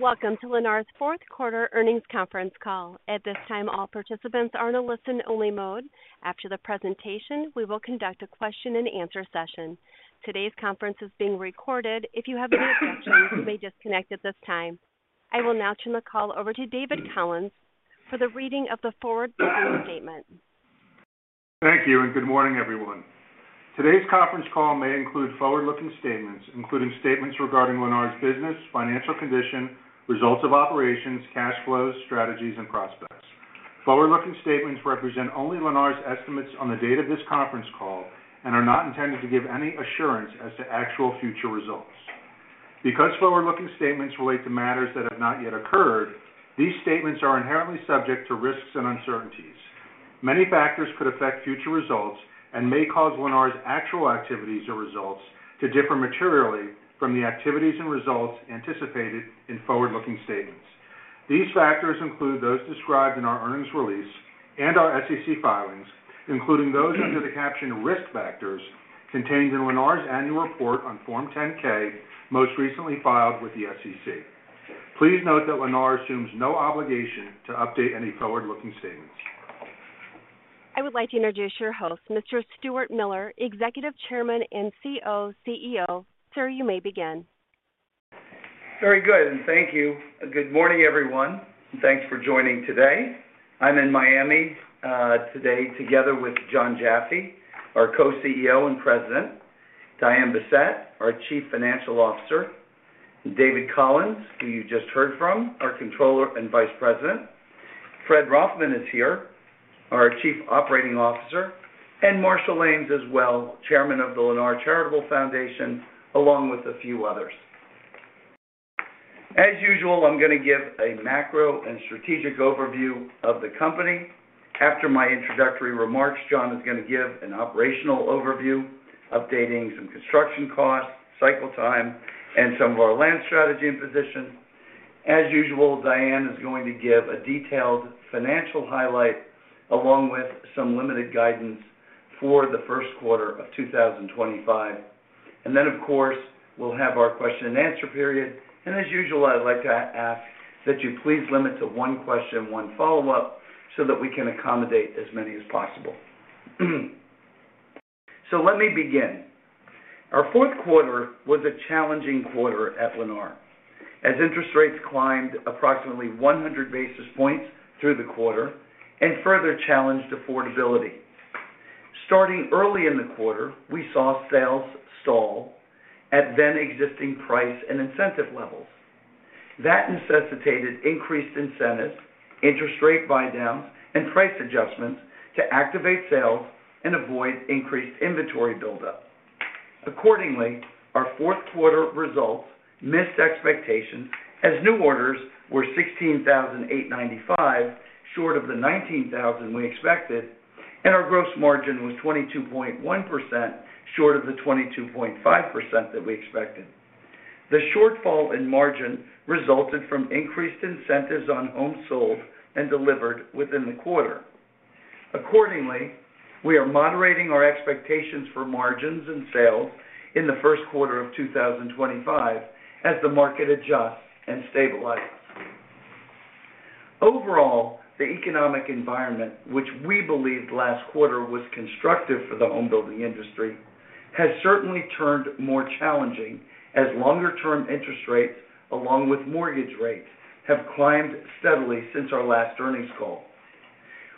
Welcome to Lennar's fourth quarter earnings conference call. At this time, all participants are in a listen-only mode. After the presentation, we will conduct a question-and-answer session. Today's conference is being recorded. If you have any questions, you may disconnect at this time. I will now turn the call over to David Collins for the reading of the forward-looking statement. Thank you, and good morning, everyone. Today's conference call may include forward-looking statements, including statements regarding Lennar's business, financial condition, results of operations, cash flows, strategies, and prospects. Forward-looking statements represent only Lennar's estimates on the date of this conference call and are not intended to give any assurance as to actual future results. Because forward-looking statements relate to matters that have not yet occurred, these statements are inherently subject to risks and uncertainties. Many factors could affect future results and may cause Lennar's actual activities or results to differ materially from the activities and results anticipated in forward-looking statements. These factors include those described in our earnings release and our SEC filings, including those under the caption "Risk Factors" contained in Lennar's annual report on Form 10-K, most recently filed with the SEC. Please note that Lennar assumes no obligation to update any forward-looking statements. I would like to introduce your host, Mr. Stuart Miller, Executive Chairman and CEO. Sir, you may begin. Very good, and thank you. Good morning, everyone, and thanks for joining today. I'm in Miami today together with Jon Jaffe, our Co-CEO and President, Diane Bessette, our Chief Financial Officer, David Collins, who you just heard from, our Controller and Vice President. Fred Rothman is here, our Chief Operating Officer, and Marshall Ames as well, Chairman of the Lennar Charitable Foundation, along with a few others. As usual, I'm going to give a macro and strategic overview of the company. After my introductory remarks, Jon is going to give an operational overview, updating some construction costs, cycle time, and some of our land strategy and position. As usual, Diane is going to give a detailed financial highlight, along with some limited guidance for the first quarter of 2025. Then, of course, we'll have our question-and-answer period. And as usual, I'd like to ask that you please limit to one question, one follow-up, so that we can accommodate as many as possible. So let me begin. Our fourth quarter was a challenging quarter at Lennar, as interest rates climbed approximately 100 basis points through the quarter and further challenged affordability. Starting early in the quarter, we saw sales stall at then-existing price and incentive levels. That necessitated increased incentives, interest rate buy-downs, and price adjustments to activate sales and avoid increased inventory buildup. Accordingly, our fourth quarter results missed expectations, as new orders were 16,895, short of the 19,000 we expected, and our gross margin was 22.1%, short of the 22.5% that we expected. The shortfall in margin resulted from increased incentives on homes sold and delivered within the quarter. Accordingly, we are moderating our expectations for margins and sales in the first quarter of 2025 as the market adjusts and stabilizes. Overall, the economic environment, which we believed last quarter was constructive for the home-building industry, has certainly turned more challenging as longer-term interest rates, along with mortgage rates, have climbed steadily since our last earnings call.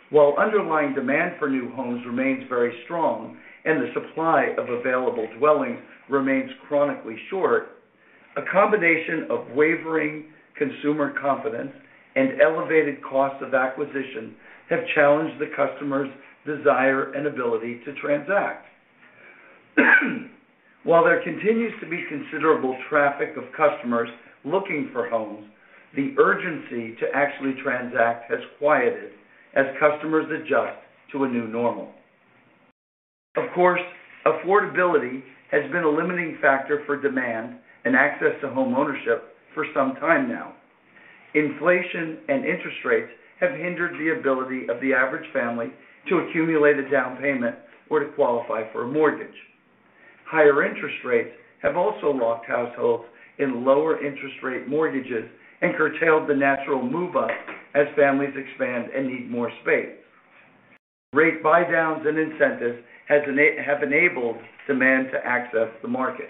While underlying demand for new homes remains very strong and the supply of available dwellings remains chronically short, a combination of wavering consumer confidence and elevated cost of acquisition have challenged the customer's desire and ability to transact. While there continues to be considerable traffic of customers looking for homes, the urgency to actually transact has quieted as customers adjust to a new normal. Of course, affordability has been a limiting factor for demand and access to homeownership for some time now. Inflation and interest rates have hindered the ability of the average family to accumulate a down payment or to qualify for a mortgage. Higher interest rates have also locked households in lower interest-rate mortgages and curtailed the natural move-up as families expand and need more space. Rate buy-downs and incentives have enabled demand to access the market.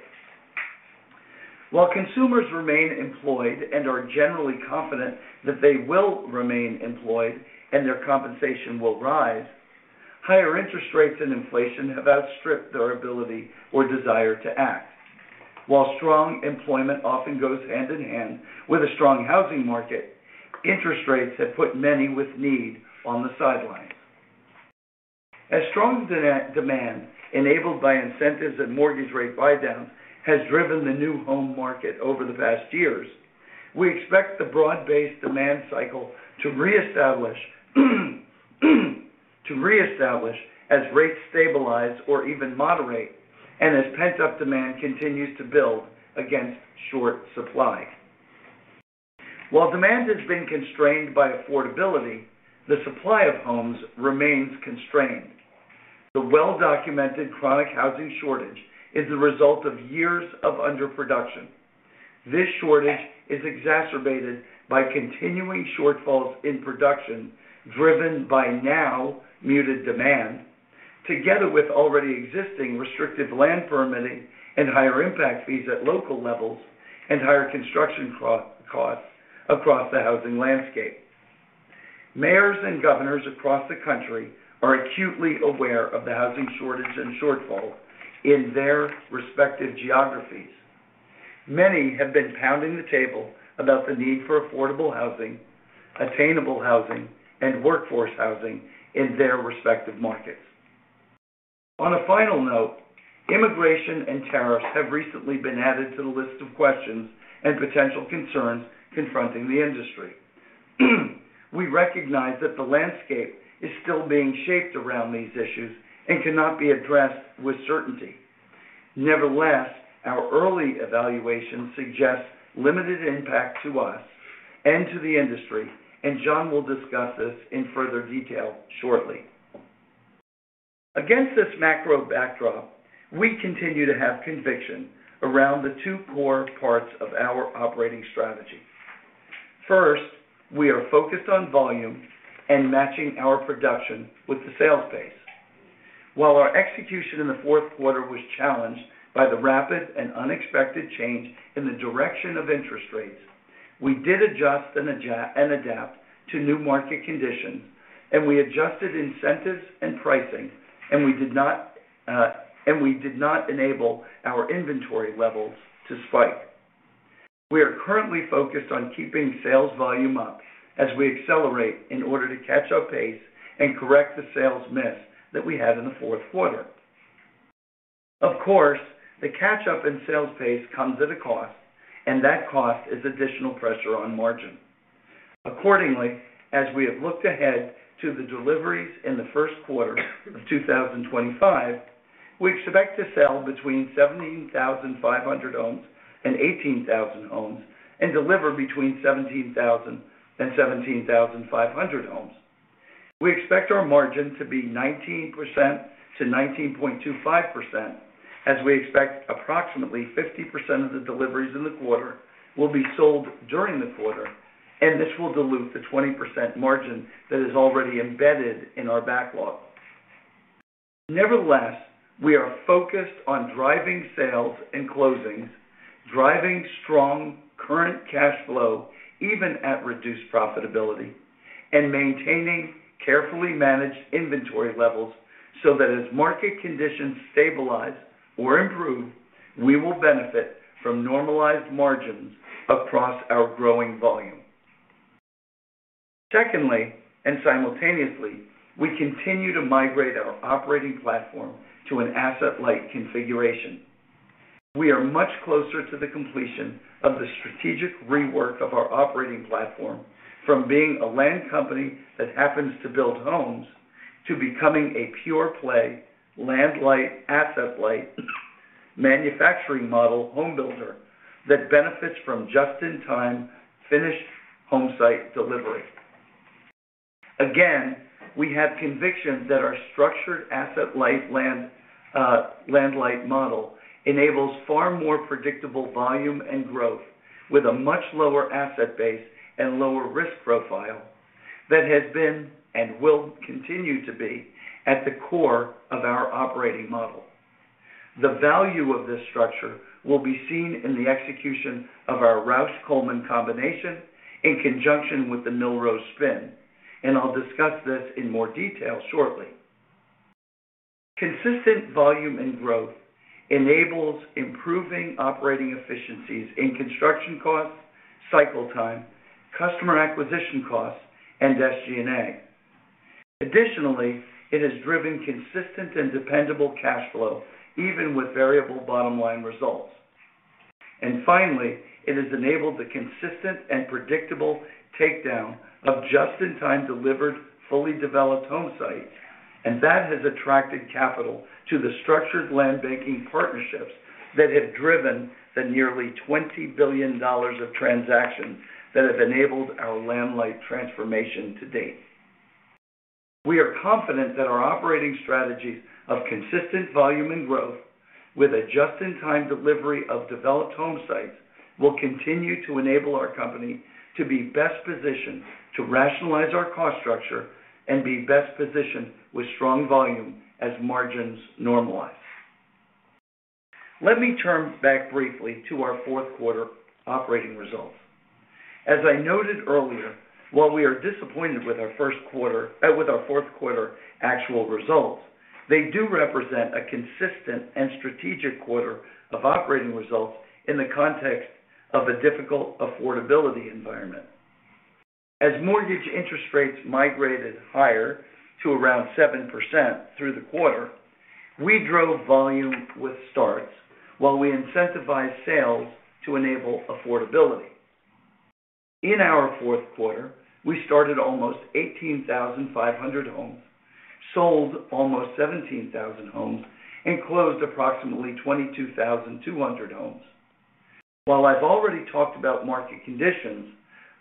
While consumers remain employed and are generally confident that they will remain employed and their compensation will rise, higher interest rates and inflation have outstripped their ability or desire to act. While strong employment often goes hand in hand with a strong housing market, interest rates have put many with need on the sidelines. As strong demand, enabled by incentives and mortgage rate buy-downs, has driven the new home market over the past years, we expect the broad-based demand cycle to reestablish as rates stabilize or even moderate and as pent-up demand continues to build against short supply. While demand has been constrained by affordability, the supply of homes remains constrained. The well-documented chronic housing shortage is the result of years of underproduction. This shortage is exacerbated by continuing shortfalls in production driven by now-muted demand, together with already existing restrictive land permitting and higher impact fees at local levels and higher construction costs across the housing landscape. Mayors and governors across the country are acutely aware of the housing shortage and shortfall in their respective geographies. Many have been pounding the table about the need for affordable housing, attainable housing, and workforce housing in their respective markets. On a final note, immigration and tariffs have recently been added to the list of questions and potential concerns confronting the industry. We recognize that the landscape is still being shaped around these issues and cannot be addressed with certainty. Nevertheless, our early evaluation suggests limited impact to us and to the industry, and Jon will discuss this in further detail shortly. Against this macro backdrop, we continue to have conviction around the two core parts of our operating strategy. First, we are focused on volume and matching our production with the sales base. While our execution in the fourth quarter was challenged by the rapid and unexpected change in the direction of interest rates, we did adjust and adapt to new market conditions, and we adjusted incentives and pricing, and we did not enable our inventory levels to spike. We are currently focused on keeping sales volume up as we accelerate in order to catch up pace and correct the sales miss that we had in the fourth quarter. Of course, the catch-up in sales pace comes at a cost, and that cost is additional pressure on margin. Accordingly, as we have looked ahead to the deliveries in the first quarter of 2025, we expect to sell between 17,500 homes and 18,000 homes and deliver between 17,000 and 17,500 homes. We expect our margin to be 19%-19.25%, as we expect approximately 50% of the deliveries in the quarter will be sold during the quarter, and this will dilute the 20% margin that is already embedded in our backlog. Nevertheless, we are focused on driving sales and closings, driving strong current cash flow, even at reduced profitability, and maintaining carefully managed inventory levels so that as market conditions stabilize or improve, we will benefit from normalized margins across our growing volume. Secondly, and simultaneously, we continue to migrate our operating platform to an asset-light configuration. We are much closer to the completion of the strategic rework of our operating platform, from being a land company that happens to build homes to becoming a pure-play land-light asset-light manufacturing model home builder that benefits from just-in-time finished home site delivery. Again, we have conviction that our structured asset-light land-light model enables far more predictable volume and growth with a much lower asset base and lower risk profile that has been and will continue to be at the core of our operating model. The value of this structure will be seen in the execution of our Rausch Coleman combination in conjunction with the Millrose spin, and I'll discuss this in more detail shortly. Consistent volume and growth enables improving operating efficiencies in construction costs, cycle time, customer acquisition costs, and SG&A. Additionally, it has driven consistent and dependable cash flow, even with variable bottom-line results, and finally, it has enabled the consistent and predictable takedown of just-in-time delivered fully developed home sites, and that has attracted capital to the structured land banking partnerships that have driven the nearly $20 billion of transactions that have enabled our land-light transformation to date. We are confident that our operating strategies of consistent volume and growth with a just-in-time delivery of developed home sites will continue to enable our company to be best positioned to rationalize our cost structure and be best positioned with strong volume as margins normalize. Let me turn back briefly to our fourth quarter operating results. As I noted earlier, while we are disappointed with our fourth quarter actual results, they do represent a consistent and strategic quarter of operating results in the context of a difficult affordability environment. As mortgage interest rates migrated higher to around 7% through the quarter, we drove volume with starts while we incentivized sales to enable affordability. In our fourth quarter, we started almost 18,500 homes, sold almost 17,000 homes, and closed approximately 22,200 homes. While I've already talked about market conditions,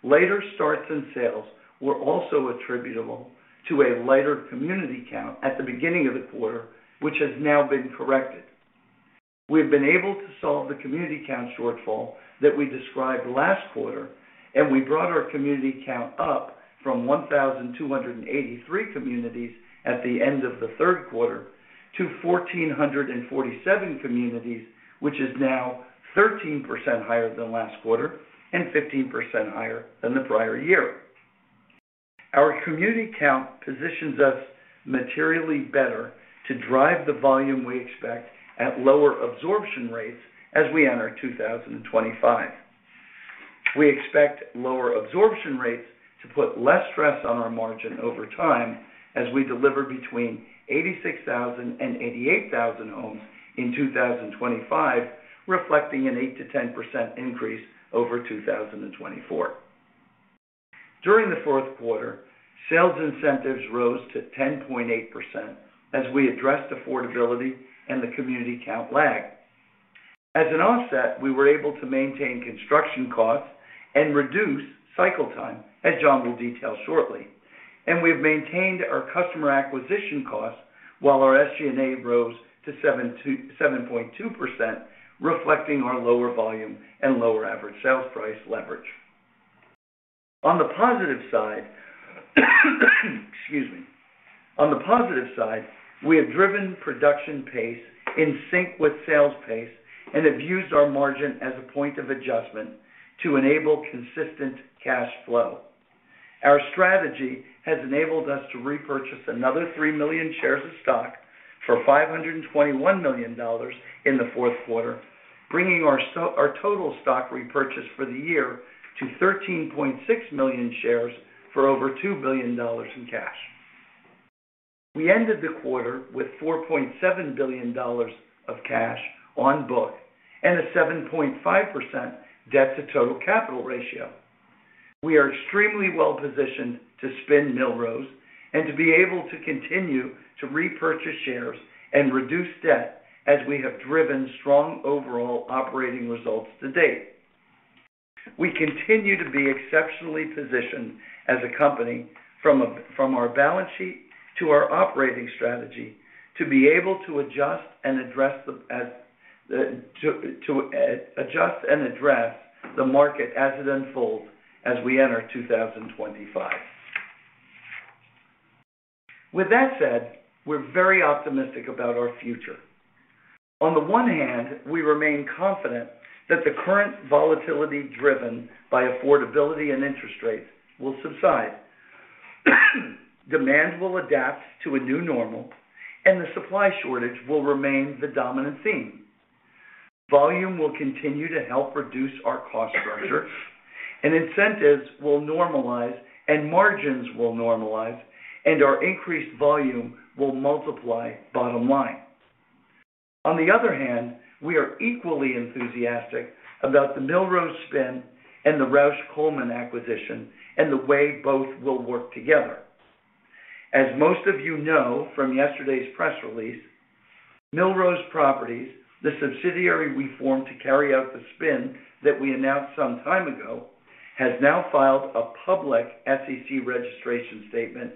later starts and sales were also attributable to a lighter community count at the beginning of the quarter, which has now been corrected. We have been able to solve the community count shortfall that we described last quarter, and we brought our community count up from 1,283 communities at the end of the third quarter to 1,447 communities, which is now 13% higher than last quarter and 15% higher than the prior year. Our community count positions us materially better to drive the volume we expect at lower absorption rates as we enter 2025. We expect lower absorption rates to put less stress on our margin over time as we deliver between 86,000 and 88,000 homes in 2025, reflecting an 8%-10% increase over 2024. During the fourth quarter, sales incentives rose to 10.8% as we addressed affordability and the community count lagged. As an offset, we were able to maintain construction costs and reduce cycle time, as Jon will detail shortly. And we have maintained our customer acquisition costs while our SG&A rose to 7.2%, reflecting our lower volume and lower average sales price leverage. On the positive side, we have driven production pace in sync with sales pace and have used our margin as a point of adjustment to enable consistent cash flow. Our strategy has enabled us to repurchase another three million shares of stock for $521 million in the fourth quarter, bringing our total stock repurchase for the year to 13.6 million shares for over $2 billion in cash. We ended the quarter with $4.7 billion of cash on book and a 7.5% debt-to-total capital ratio. We are extremely well-positioned to spin Millrose and to be able to continue to repurchase shares and reduce debt as we have driven strong overall operating results to date. We continue to be exceptionally positioned as a company from our balance sheet to our operating strategy to be able to adjust and address the market as it unfolds as we enter 2025. With that said, we're very optimistic about our future. On the one hand, we remain confident that the current volatility driven by affordability and interest rates will subside, demand will adapt to a new normal, and the supply shortage will remain the dominant theme. Volume will continue to help reduce our cost structure, and incentives will normalize and margins will normalize, and our increased volume will multiply bottom line. On the other hand, we are equally enthusiastic about the Millrose spin and the Rausch Coleman acquisition and the way both will work together. As most of you know from yesterday's press release, Millrose Properties, the subsidiary we formed to carry out the spin that we announced some time ago, has now filed a public SEC registration statement,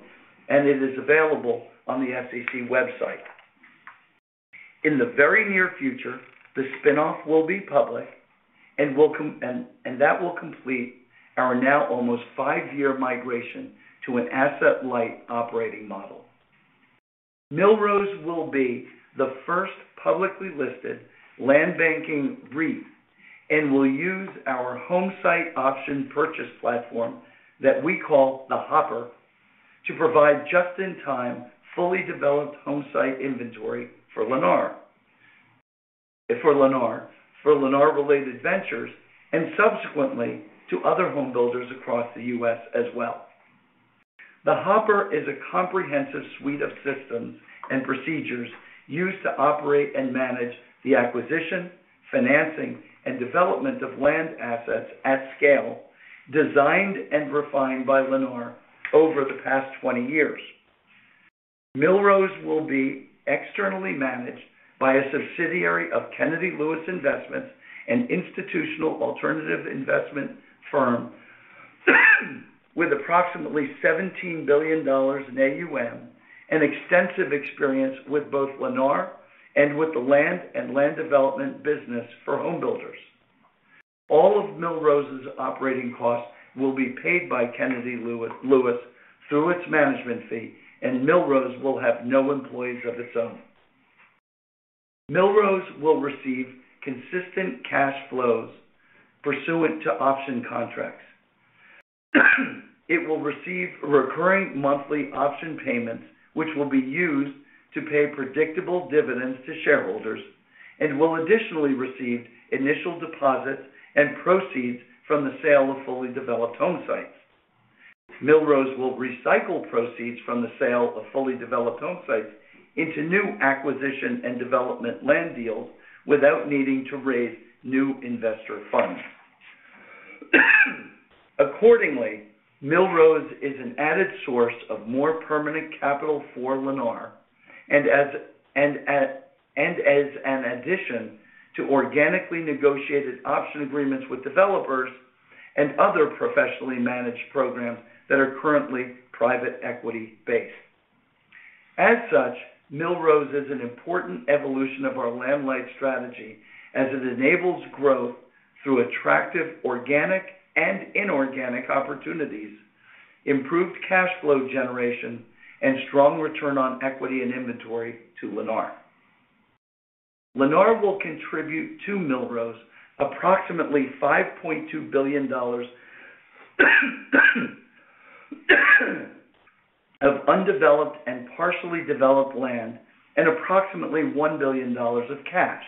and it is available on the SEC website. In the very near future, the spinoff will be public, and that will complete our now almost five-year migration to an asset-light operating model. Millrose will be the first publicly listed land banking REIT and will use our home site option purchase platform that we call the hopper to provide just-in-time fully developed home site inventory for Lennar for Lennar-related ventures and subsequently to other home builders across the U.S. as well. The hopper is a comprehensive suite of systems and procedures used to operate and manage the acquisition, financing, and development of land assets at scale designed and refined by Lennar over the past 20 years. Millrose will be externally managed by a subsidiary of Kennedy Lewis Investment Management, an institutional alternative investment firm with approximately $17 billion in AUM and extensive experience with both Lennar and with the land and land development business for home builders. All of Millrose's operating costs will be paid by Kennedy Lewis Investment Management through its management fee, and Millrose will have no employees of its own. Millrose will receive consistent cash flows pursuant to option contracts. It will receive recurring monthly option payments, which will be used to pay predictable dividends to shareholders, and will additionally receive initial deposits and proceeds from the sale of fully developed home sites. Millrose will recycle proceeds from the sale of fully developed home sites into new acquisition and development land deals without needing to raise new investor funds. Accordingly, Millrose is an added source of more permanent capital for Lennar, and as an addition to organically negotiated option agreements with developers and other professionally managed programs that are currently private equity-based. As such, Millrose is an important evolution of our land-light strategy as it enables growth through attractive organic and inorganic opportunities, improved cash flow generation, and strong return on equity and inventory to Lennar. Lennar will contribute to Millrose approximately $5.2 billion of undeveloped and partially developed land and approximately $1 billion of cash.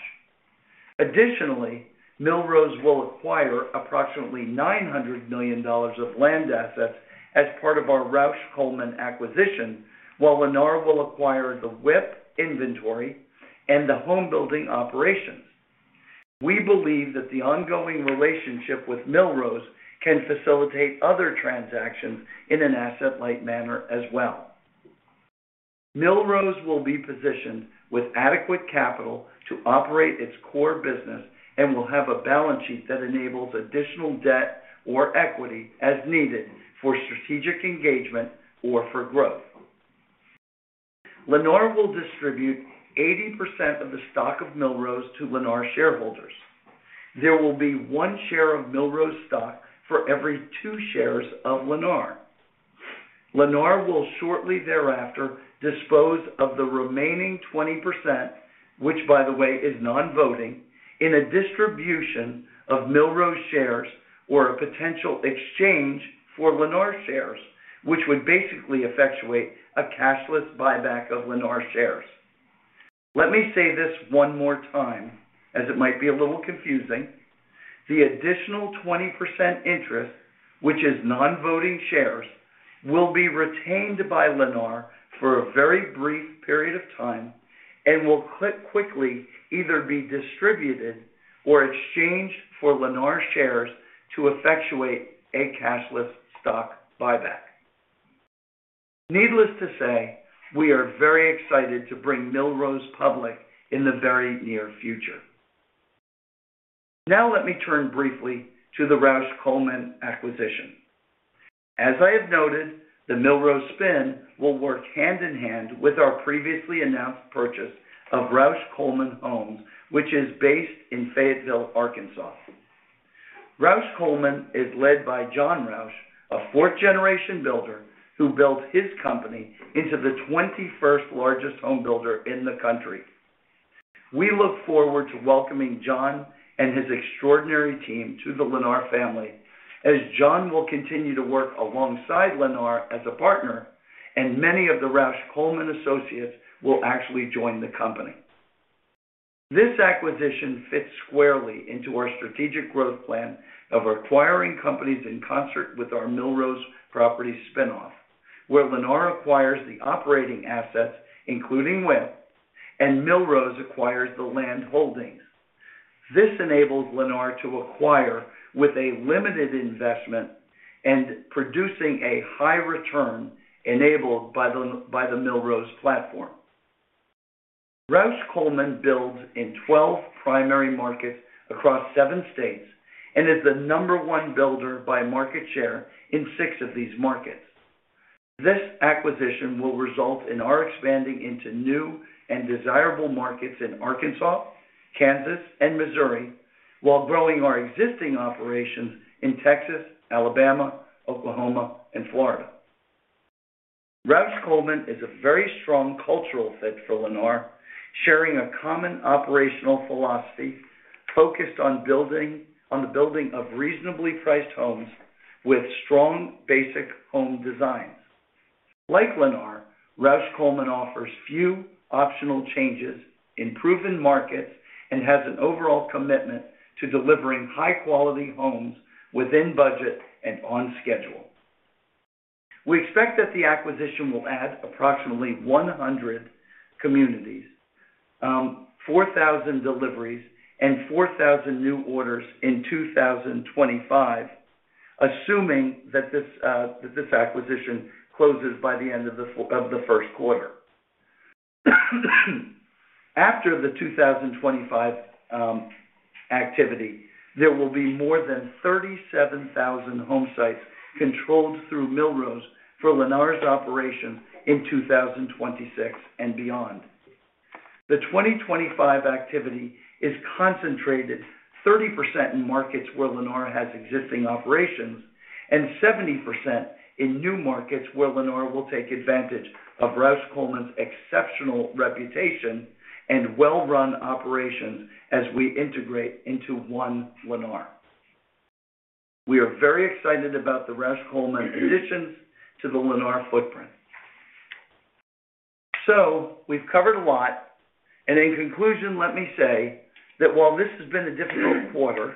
Additionally, Millrose will acquire approximately $900 million of land assets as part of our Rausch Coleman acquisition, while Lennar will acquire the WIP inventory and the home building operations. We believe that the ongoing relationship with Millrose can facilitate other transactions in an asset-light manner as well. Millrose will be positioned with adequate capital to operate its core business and will have a balance sheet that enables additional debt or equity as needed for strategic engagement or for growth. Lennar will distribute 80% of the stock of Millrose to Lennar shareholders. There will be one share of Millrose stock for every two shares of Lennar. Lennar will shortly thereafter dispose of the remaining 20%, which, by the way, is non-voting, in a distribution of Millrose shares or a potential exchange for Lennar shares, which would basically effectuate a cashless buyback of Lennar shares. Let me say this one more time, as it might be a little confusing. The additional 20% interest, which is non-voting shares, will be retained by Lennar for a very brief period of time and will quickly either be distributed or exchanged for Lennar shares to effectuate a cashless stock buyback. Needless to say, we are very excited to bring Millrose public in the very near future. Now, let me turn briefly to the Rausch Coleman acquisition. As I have noted, the Millrose spin will work hand in hand with our previously announced purchase of Rausch Coleman Homes, which is based in Fayetteville, Arkansas. Rausch Coleman is led by John Rausch, a fourth-generation builder who built his company into the 21st largest home builder in the country. We look forward to welcoming John and his extraordinary team to the Lennar family as John will continue to work alongside Lennar as a partner, and many of the Rausch Coleman associates will actually join the company. This acquisition fits squarely into our strategic growth plan of acquiring companies in concert with our Millrose Properties spinoff, where Lennar acquires the operating assets, including WIP, and Millrose acquires the land holdings. This enables Lennar to acquire with a limited investment and producing a high return enabled by the Millrose platform. Rausch Coleman builds in 12 primary markets across seven states and is the number one builder by market share in six of these markets. This acquisition will result in our expanding into new and desirable markets in Arkansas, Kansas, and Missouri, while growing our existing operations in Texas, Alabama, Oklahoma, and Florida. Rausch Coleman is a very strong cultural fit for Lennar, sharing a common operational philosophy focused on the building of reasonably priced homes with strong basic home designs. Like Lennar, Rausch Coleman offers few optional changes in proven markets and has an overall commitment to delivering high-quality homes within budget and on schedule. We expect that the acquisition will add approximately 100 communities, 4,000 deliveries, and 4,000 new orders in 2025, assuming that this acquisition closes by the end of the first quarter. After the 2025 activity, there will be more than 37,000 home sites controlled through Millrose for Lennar's operations in 2026 and beyond. The 2025 activity is concentrated 30% in markets where Lennar has existing operations and 70% in new markets where Lennar will take advantage of Rausch Coleman's exceptional reputation and well-run operations as we integrate into One Lennar. We are very excited about the Rausch Coleman additions to the Lennar footprint. So we've covered a lot. And in conclusion, let me say that while this has been a difficult quarter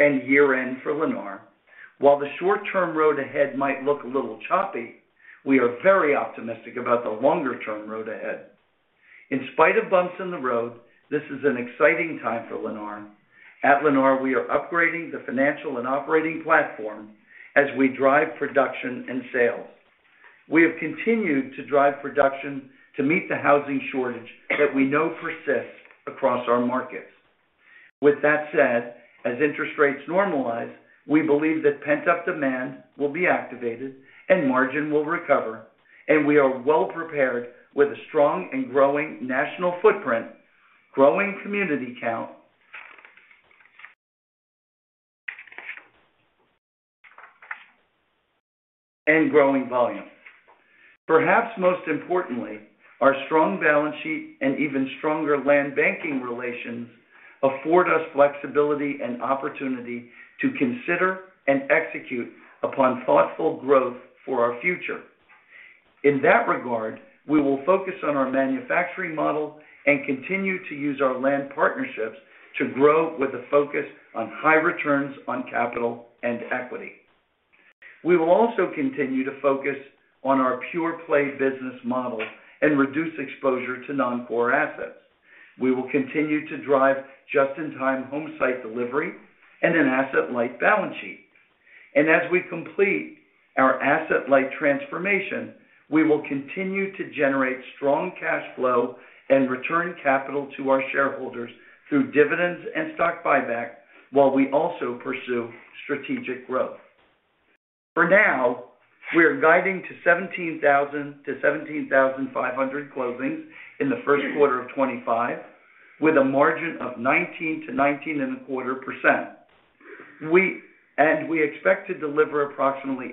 and year-end for Lennar, while the short-term road ahead might look a little choppy, we are very optimistic about the longer-term road ahead. In spite of bumps in the road, this is an exciting time for Lennar. At Lennar, we are upgrading the financial and operating platform as we drive production and sales. We have continued to drive production to meet the housing shortage that we know persists across our markets. With that said, as interest rates normalize, we believe that pent-up demand will be activated and margin will recover, and we are well-prepared with a strong and growing national footprint, growing community count, and growing volume. Perhaps most importantly, our strong balance sheet and even stronger land banking relations afford us flexibility and opportunity to consider and execute upon thoughtful growth for our future. In that regard, we will focus on our manufacturing model and continue to use our land partnerships to grow with a focus on high returns on capital and equity. We will also continue to focus on our pure-play business model and reduce exposure to non-core assets. We will continue to drive just-in-time home site delivery and an asset-light balance sheet. And as we complete our asset-light transformation, we will continue to generate strong cash flow and return capital to our shareholders through dividends and stock buyback while we also pursue strategic growth. For now, we are guiding to 17,000 to 17,500 closings in the first quarter of 2025 with a margin of 19% to 19.25%. We expect to deliver approximately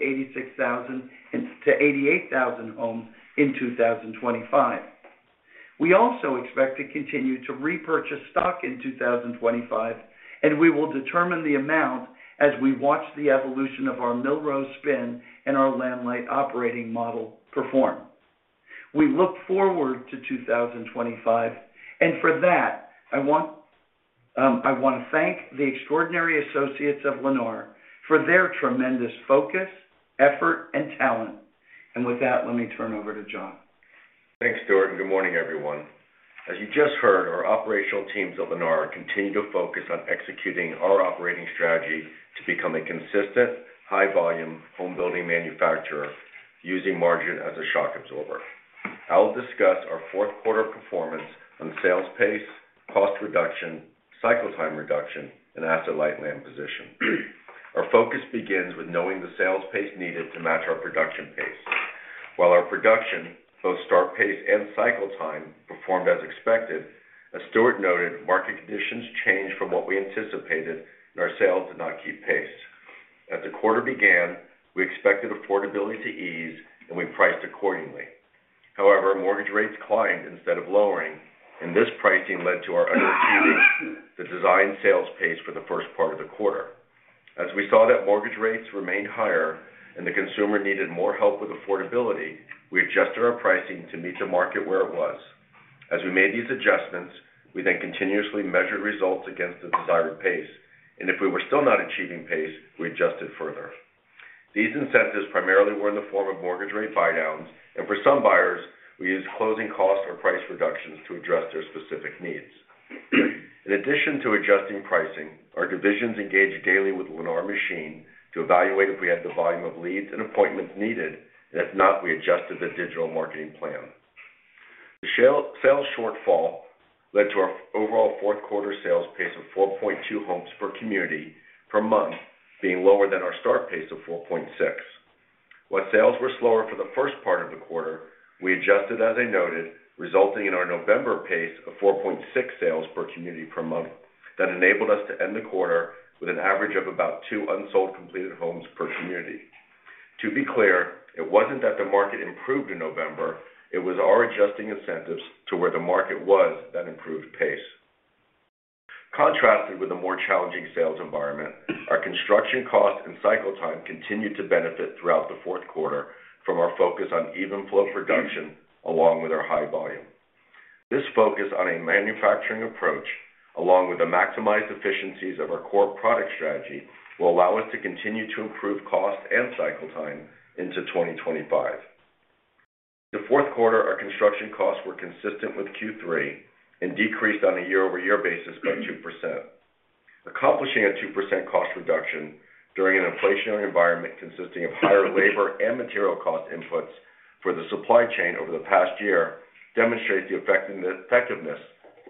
86,000-88,000 homes in 2025. We also expect to continue to repurchase stock in 2025, and we will determine the amount as we watch the evolution of our Millrose spin and our land-light operating model perform. We look forward to 2025. And for that, I want to thank the extraordinary associates of Lennar for their tremendous focus, effort, and talent. And with that, let me turn over to Jon. Thanks, Stuart. And good morning, everyone. As you just heard, our operational teams at Lennar continue to focus on executing our operating strategy to become a consistent, high-volume home building manufacturer using margin as a shock absorber. I'll discuss our fourth-quarter performance on sales pace, cost reduction, cycle time reduction, and asset-light land position. Our focus begins with knowing the sales pace needed to match our production pace. While our production, both start pace and cycle time, performed as expected, as Stuart noted, market conditions changed from what we anticipated, and our sales did not keep pace. As the quarter began, we expected affordability to ease, and we priced accordingly. However, mortgage rates climbed instead of lowering, and this pricing led to our underachieving the design sales pace for the first part of the quarter. As we saw that mortgage rates remained higher and the consumer needed more help with affordability, we adjusted our pricing to meet the market where it was. As we made these adjustments, we then continuously measured results against the desired pace. And if we were still not achieving pace, we adjusted further. These incentives primarily were in the form of mortgage rate buy-downs, and for some buyers, we used closing costs or price reductions to address their specific needs. In addition to adjusting pricing, our divisions engaged daily with Lennar Machine to evaluate if we had the volume of leads and appointments needed, and if not, we adjusted the digital marketing plan. The sales shortfall led to our overall fourth quarter sales pace of 4.2 homes per community per month, being lower than our start pace of 4.6. While sales were slower for the first part of the quarter, we adjusted as I noted, resulting in our November pace of 4.6 sales per community per month that enabled us to end the quarter with an average of about two unsold completed homes per community. To be clear, it wasn't that the market improved in November. It was our adjusting incentives to where the market was that improved pace. Contrasted with a more challenging sales environment, our construction cost and cycle time continued to benefit throughout the fourth quarter from our focus on Even Flow production along with our high volume. This focus on a manufacturing approach, along with the maximized efficiencies of our core product strategy, will allow us to continue to improve cost and cycle time into 2025. The fourth quarter, our construction costs were consistent with Q3 and decreased on a year-over-year basis by 2%. Accomplishing a 2% cost reduction during an inflationary environment consisting of higher labor and material cost inputs for the supply chain over the past year demonstrates the effectiveness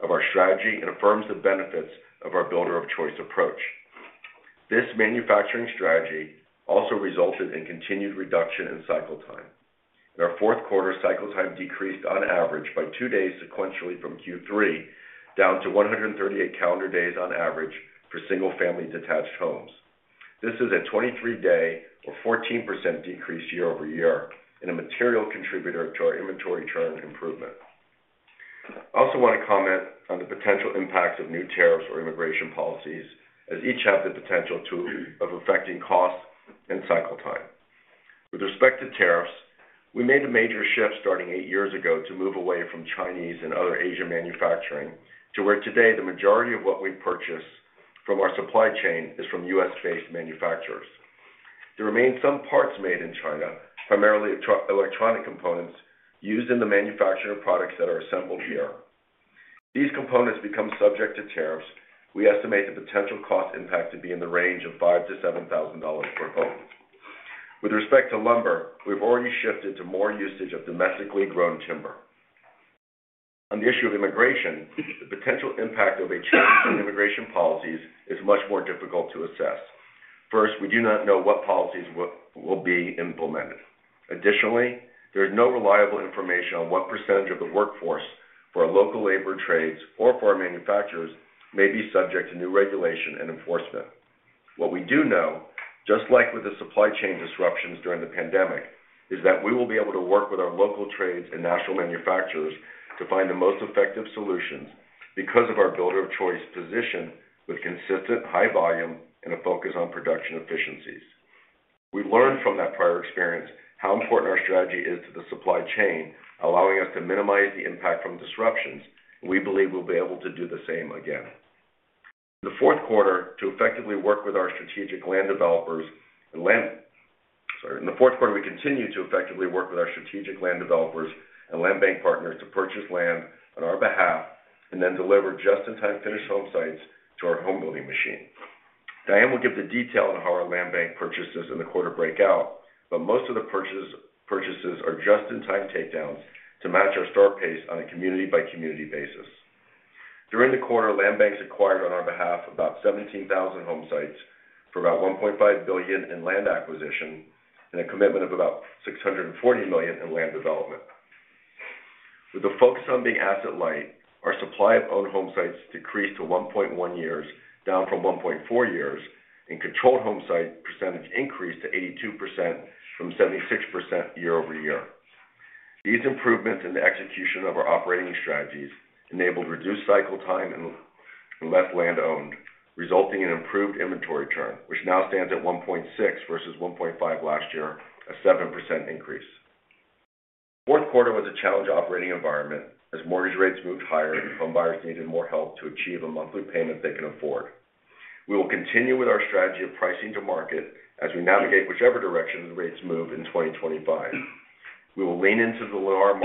of our strategy and affirms the benefits of our Builder of Choice approach. This manufacturing strategy also resulted in continued reduction in cycle time. In our fourth quarter, cycle time decreased on average by two days sequentially from Q3 down to 138 calendar days on average for single-family detached homes. This is a 23-day or 14% decrease year-over-year and a material contributor to our inventory churn improvement. I also want to comment on the potential impacts of new tariffs or immigration policies, as each have the potential to affect costs and cycle time. With respect to tariffs, we made a major shift starting eight years ago to move away from Chinese and other Asian manufacturing to where today the majority of what we purchase from our supply chain is from U.S.-based manufacturers. There remain some parts made in China, primarily electronic components used in the manufacturing of products that are assembled here. These components become subject to tariffs. We estimate the potential cost impact to be in the range of $5,000-$7,000 per home. With respect to lumber, we've already shifted to more usage of domestically grown timber. On the issue of immigration, the potential impact of a change in immigration policies is much more difficult to assess. First, we do not know what policies will be implemented. Additionally, there is no reliable information on what percentage of the workforce for our local labor trades or for our manufacturers may be subject to new regulation and enforcement. What we do know, just like with the supply chain disruptions during the pandemic, is that we will be able to work with our local trades and national manufacturers to find the most effective solutions because of our Builder of Choice position with consistent high volume and a focus on production efficiencies. We've learned from that prior experience how important our strategy is to the supply chain, allowing us to minimize the impact from disruptions. We believe we'll be able to do the same again. In the fourth quarter, to effectively work with our strategic land developers and land, sorry. In the fourth quarter, we continue to effectively work with our strategic land developers and land bank partners to purchase land on our behalf and then deliver just-in-time finished home sites to our home building machine. Diane will give the detail on how our land bank purchases in the quarter breakout, but most of the purchases are just-in-time takedowns to match our start pace on a community-by-community basis. During the quarter, land banks acquired on our behalf about 17,000 home sites for about $1.5 billion in land acquisition and a commitment of about $640 million in land development. With the focus on being asset-light, our supply of owned home sites decreased to 1.1 years, down from 1.4 years, and controlled home site percentage increased to 82% from 76% year-over-year. These improvements in the execution of our operating strategies enabled reduced cycle time and less land owned, resulting in improved inventory churn, which now stands at 1.6 versus 1.5 last year, a 7% increase. The fourth quarter was a challenged operating environment as mortgage rates moved higher and home buyers needed more help to achieve a monthly payment they can afford. We will continue with our strategy of pricing to market as we navigate whichever direction the rates move in 2025. We will lean into the Lennar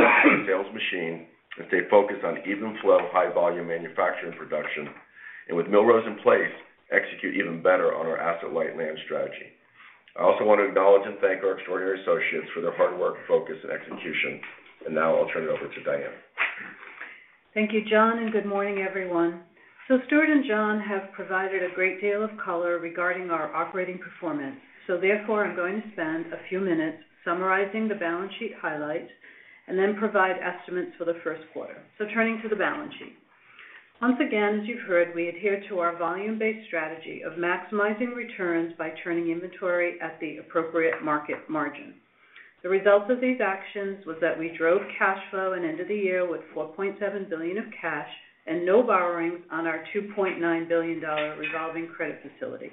Machine and stay focused on Even Flow, high-volume manufacturing production, and with Millrose in place, execute even better on our asset-light land strategy. I also want to acknowledge and thank our extraordinary associates for their hard work, focus, and execution. And now I'll turn it over to Diane. Thank you, Jon, and good morning, everyone. Stuart and Jon have provided a great deal of color regarding our operating performance. Therefore, I'm going to spend a few minutes summarizing the balance sheet highlights and then provide estimates for the first quarter. Turning to the balance sheet. Once again, as you've heard, we adhere to our volume-based strategy of maximizing returns by turning inventory at the appropriate market margin. The result of these actions was that we drove cash flow and ended the year with $4.7 billion of cash and no borrowings on our $2.9 billion revolving credit facility.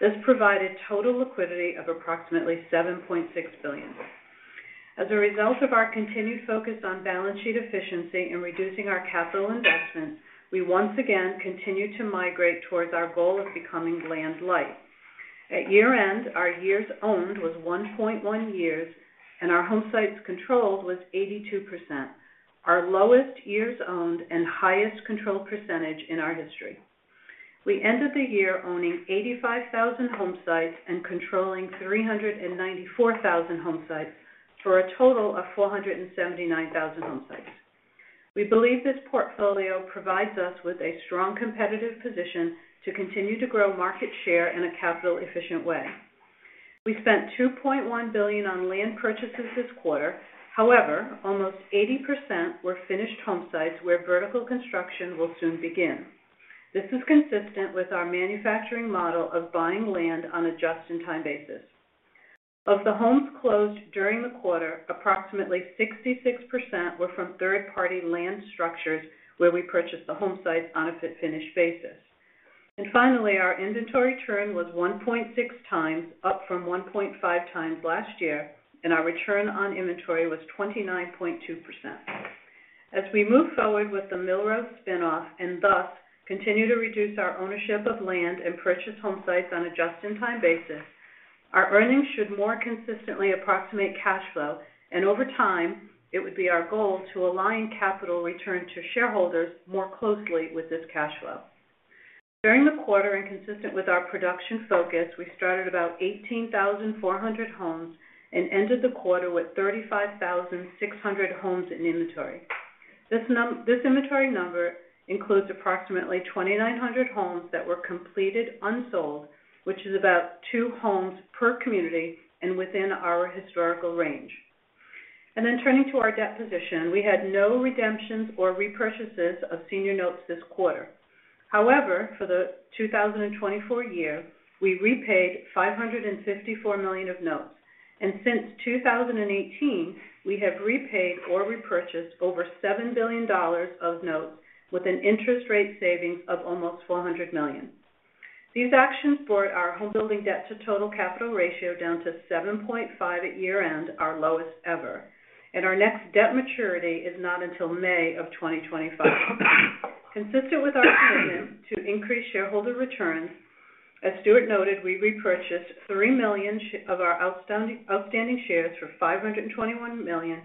This provided total liquidity of approximately $7.6 billion. As a result of our continued focus on balance sheet efficiency and reducing our capital investments, we once again continue to migrate towards our goal of becoming land-light. At year-end, our years owned was 1.1 years, and our home sites controlled was 82%, our lowest years owned and highest controlled percentage in our history. We ended the year owning 85,000 home sites and controlling 394,000 home sites for a total of 479,000 home sites. We believe this portfolio provides us with a strong competitive position to continue to grow market share in a capital-efficient way. We spent $2.1 billion on land purchases this quarter. However, almost 80% were finished home sites where vertical construction will soon begin. This is consistent with our manufacturing model of buying land on a just-in-time basis. Of the homes closed during the quarter, approximately 66% were from third-party land structures where we purchased the home sites on a finished basis, and finally, our inventory churn was 1.6x, up from 1.5x last year, and our return on inventory was 29.2%. As we move forward with the Millrose spin-off and thus continue to reduce our ownership of land and purchase home sites on a just-in-time basis, our earnings should more consistently approximate cash flow, and over time, it would be our goal to align capital return to shareholders more closely with this cash flow. During the quarter, and consistent with our production focus, we started about 18,400 homes and ended the quarter with 35,600 homes in inventory. This inventory number includes approximately 2,900 homes that were completed unsold, which is about two homes per community and within our historical range. And then turning to our debt position, we had no redemptions or repurchases of senior notes this quarter. However, for the 2024 year, we repaid $554 million of notes. Since 2018, we have repaid or repurchased over $7 billion of notes with an interest rate savings of almost $400 million. These actions brought our home building debt to total capital ratio down to 7.5 at year-end, our lowest ever. Our next debt maturity is not until May of 2025. Consistent with our commitment to increase shareholder returns, as Stuart noted, we repurchased three million of our outstanding shares for $521 million.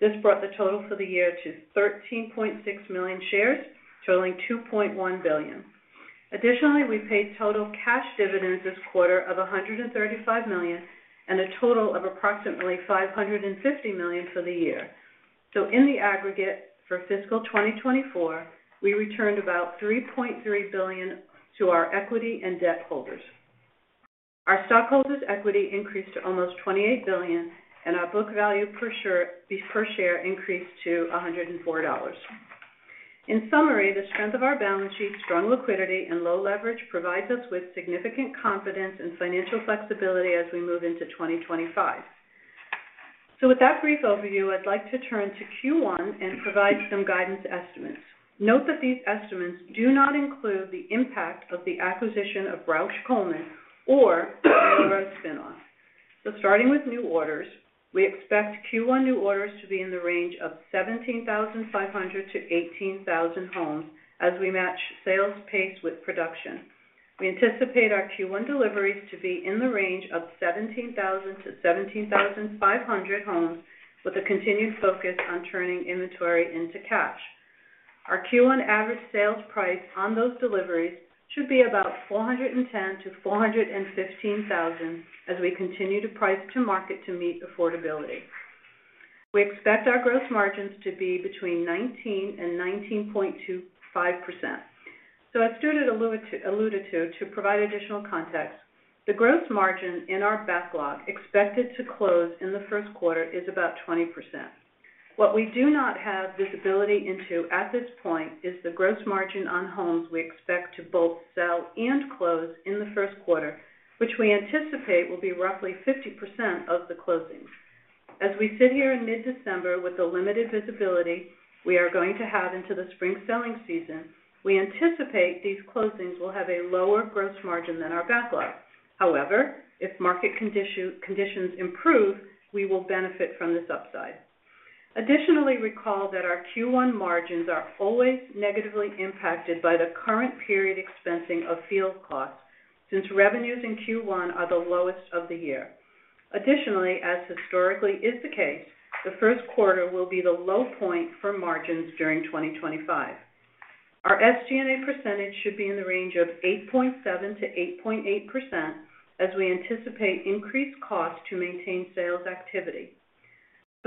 This brought the total for the year to 13.6 million shares, totaling $2.1 billion. Additionally, we paid total cash dividends this quarter of $135 million and a total of approximately $550 million for the year. In the aggregate for fiscal 2024, we returned about $3.3 billion to our equity and debt holders. Our stockholders' equity increased to almost $28 billion, and our book value per share increased to $104. In summary, the strength of our balance sheet, strong liquidity, and low leverage provides us with significant confidence and financial flexibility as we move into 2025. So with that brief overview, I'd like to turn to Q1 and provide some guidance estimates. Note that these estimates do not include the impact of the acquisition of Rausch Coleman or the Millrose spin-off. So starting with new orders, we expect Q1 new orders to be in the range of 17,500-18,000 homes as we match sales pace with production. We anticipate our Q1 deliveries to be in the range of 17,000-17,500 homes with a continued focus on turning inventory into cash. Our Q1 average sales price on those deliveries should be about $410,000-$415,000 as we continue to price to market to meet affordability. We expect our gross margins to be between 19% and 19.25%. So as Stuart alluded to, to provide additional context, the gross margin in our backlog expected to close in the first quarter is about 20%. What we do not have visibility into at this point is the gross margin on homes we expect to both sell and close in the first quarter, which we anticipate will be roughly 50% of the closings. As we sit here in mid-December with the limited visibility we are going to have into the spring selling season, we anticipate these closings will have a lower gross margin than our backlog. However, if market conditions improve, we will benefit from this upside. Additionally, recall that our Q1 margins are always negatively impacted by the current period expensing of field costs since revenues in Q1 are the lowest of the year. Additionally, as historically is the case, the first quarter will be the low point for margins during 2025. Our SG&A percentage should be in the range of 8.7%-8.8% as we anticipate increased costs to maintain sales activity.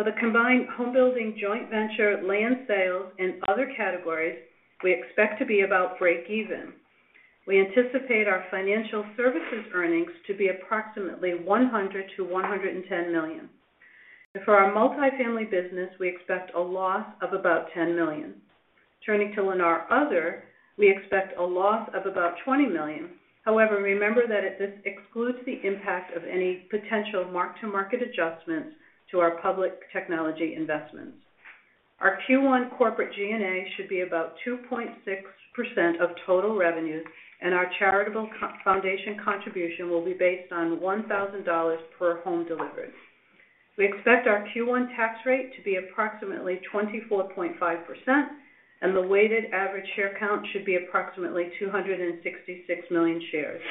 For the combined home building joint venture, land sales, and other categories, we expect to be about break-even. We anticipate our financial services earnings to be approximately $100 million-$110 million, and for our multi-family business, we expect a loss of about $10 million. Turning to Lennar Other, we expect a loss of about $20 million. However, remember that this excludes the impact of any potential mark-to-market adjustments to our public technology investments. Our Q1 corporate G&A should be about 2.6% of total revenues, and our charitable foundation contribution will be based on $1,000 per home delivered. We expect our Q1 tax rate to be approximately 24.5%, and the weighted average share count should be approximately 266 million shares.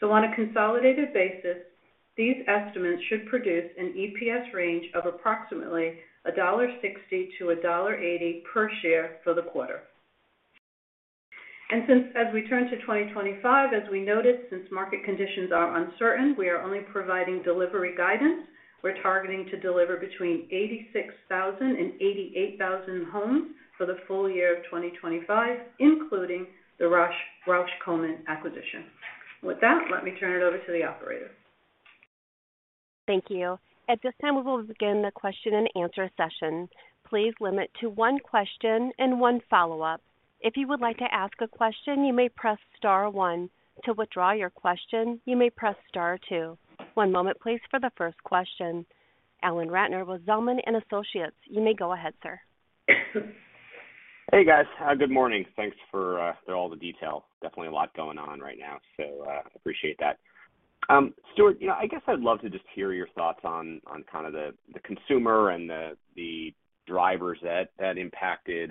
So on a consolidated basis, these estimates should produce an EPS range of approximately $1.60-$1.80 per share for the quarter. And since as we turn to 2025, as we noted, since market conditions are uncertain, we are only providing delivery guidance. We're targeting to deliver between 86,000 and 88,000 homes for the full year of 2025, including the Rausch Coleman acquisition. With that, let me turn it over to the operator. Thank you. At this time, we will begin the question and answer session. Please limit to one question and one follow-up. If you would like to ask a question, you may press star one. To withdraw your question, you may press star two. One moment, please, for the first question. Alan Ratner with Zelman & Associates. You may go ahead, sir. Hey, guys. Good morning. Thanks for all the detail. Definitely a lot going on right now, so I appreciate that. Stuart, I guess I'd love to just hear your thoughts on kind of the consumer and the drivers that impacted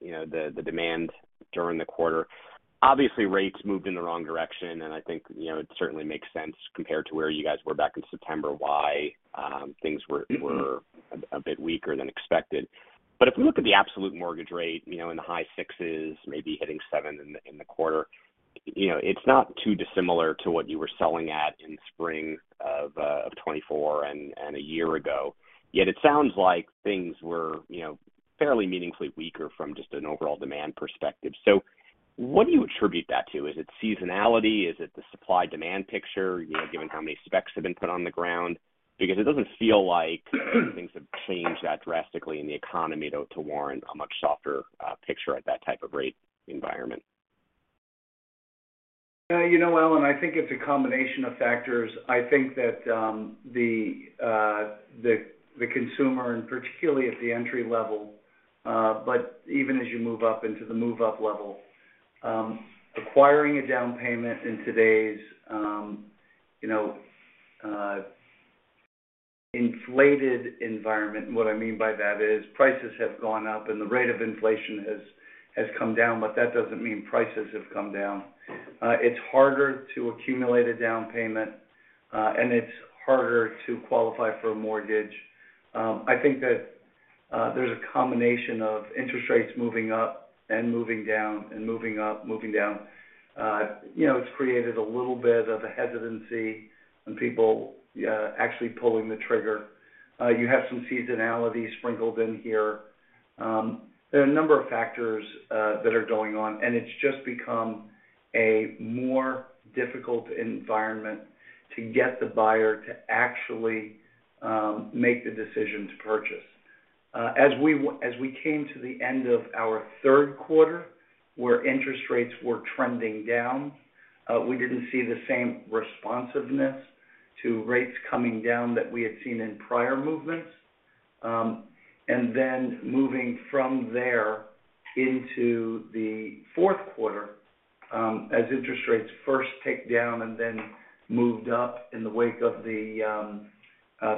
the demand during the quarter. Obviously, rates moved in the wrong direction, and I think it certainly makes sense compared to where you guys were back in September, why things were a bit weaker than expected. But if we look at the absolute mortgage rate in the high sixes, maybe hitting seven in the quarter, it's not too dissimilar to what you were selling at in spring of 2024 and a year ago. Yet it sounds like things were fairly meaningfully weaker from just an overall demand perspective. So what do you attribute that to? Is it seasonality? Is it the supply-demand picture, given how many specs have been put on the ground? Because it doesn't feel like things have changed that drastically in the economy to warrant a much softer picture at that type of rate environment. Yeah. You know, Alan, I think it's a combination of factors. I think that the consumer, and particularly at the entry level, but even as you move up into the move-up level, acquiring a down payment in today's inflated environment, what I mean by that is prices have gone up and the rate of inflation has come down, but that doesn't mean prices have come down. It's harder to accumulate a down payment, and it's harder to qualify for a mortgage. I think that there's a combination of interest rates moving up and moving down and moving up, moving down. It's created a little bit of a hesitancy and people actually pulling the trigger. You have some seasonality sprinkled in here. There are a number of factors that are going on, and it's just become a more difficult environment to get the buyer to actually make the decision to purchase. As we came to the end of our third quarter, where interest rates were trending down, we didn't see the same responsiveness to rates coming down that we had seen in prior movements. And then moving from there into the fourth quarter, as interest rates first ticked down and then moved up in the wake of the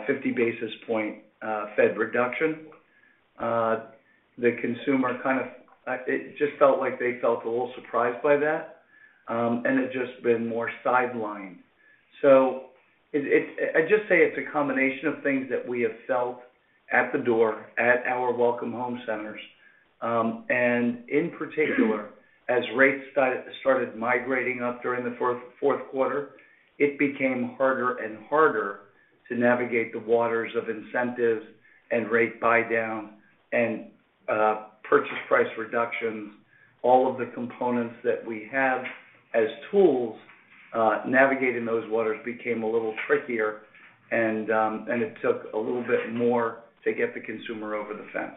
50 basis points Fed reduction, the consumer kind of just felt like they felt a little surprised by that, and they've just been more sidelined. So I'd just say it's a combination of things that we have felt at the door at our Welcome Home Centers. And in particular, as rates started migrating up during the fourth quarter, it became harder and harder to navigate the waters of incentives and rate buy-down and purchase price reductions. All of the components that we have as tools navigating those waters became a little trickier, and it took a little bit more to get the consumer over the fence.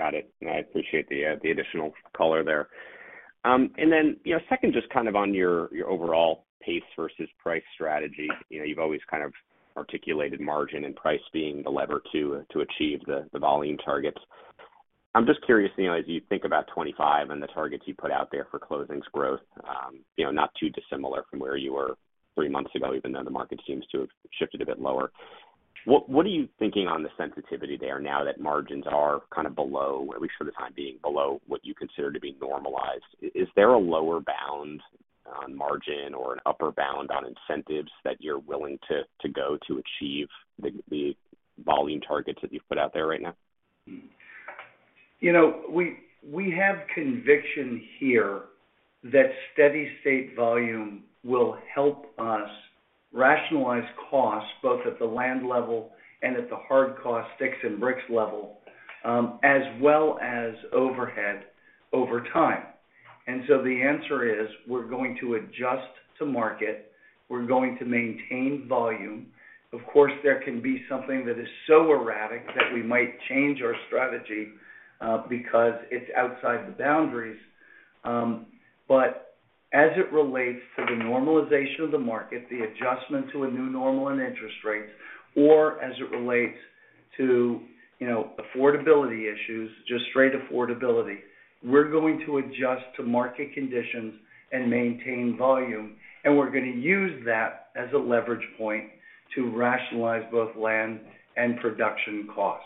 Got it. I appreciate the additional color there. And then second, just kind of on your overall pace versus price strategy, you've always kind of articulated margin and price being the lever to achieve the volume targets. I'm just curious, as you think about 2025 and the targets you put out there for closings growth, not too dissimilar from where you were three months ago, even though the market seems to have shifted a bit lower. What are you thinking on the sensitivity there now that margins are kind of below, at least for the time being, below what you consider to be normalized? Is there a lower bound on margin or an upper bound on incentives that you're willing to go to achieve the volume targets that you've put out there right now? We have conviction here that steady-state volume will help us rationalize costs both at the land level and at the hard cost, fix and bricks level, as well as overhead over time. And so the answer is we're going to adjust to market. We're going to maintain volume. Of course, there can be something that is so erratic that we might change our strategy because it's outside the boundaries. But as it relates to the normalization of the market, the adjustment to a new normal in interest rates, or as it relates to affordability issues, just straight affordability, we're going to adjust to market conditions and maintain volume. And we're going to use that as a leverage point to rationalize both land and production costs.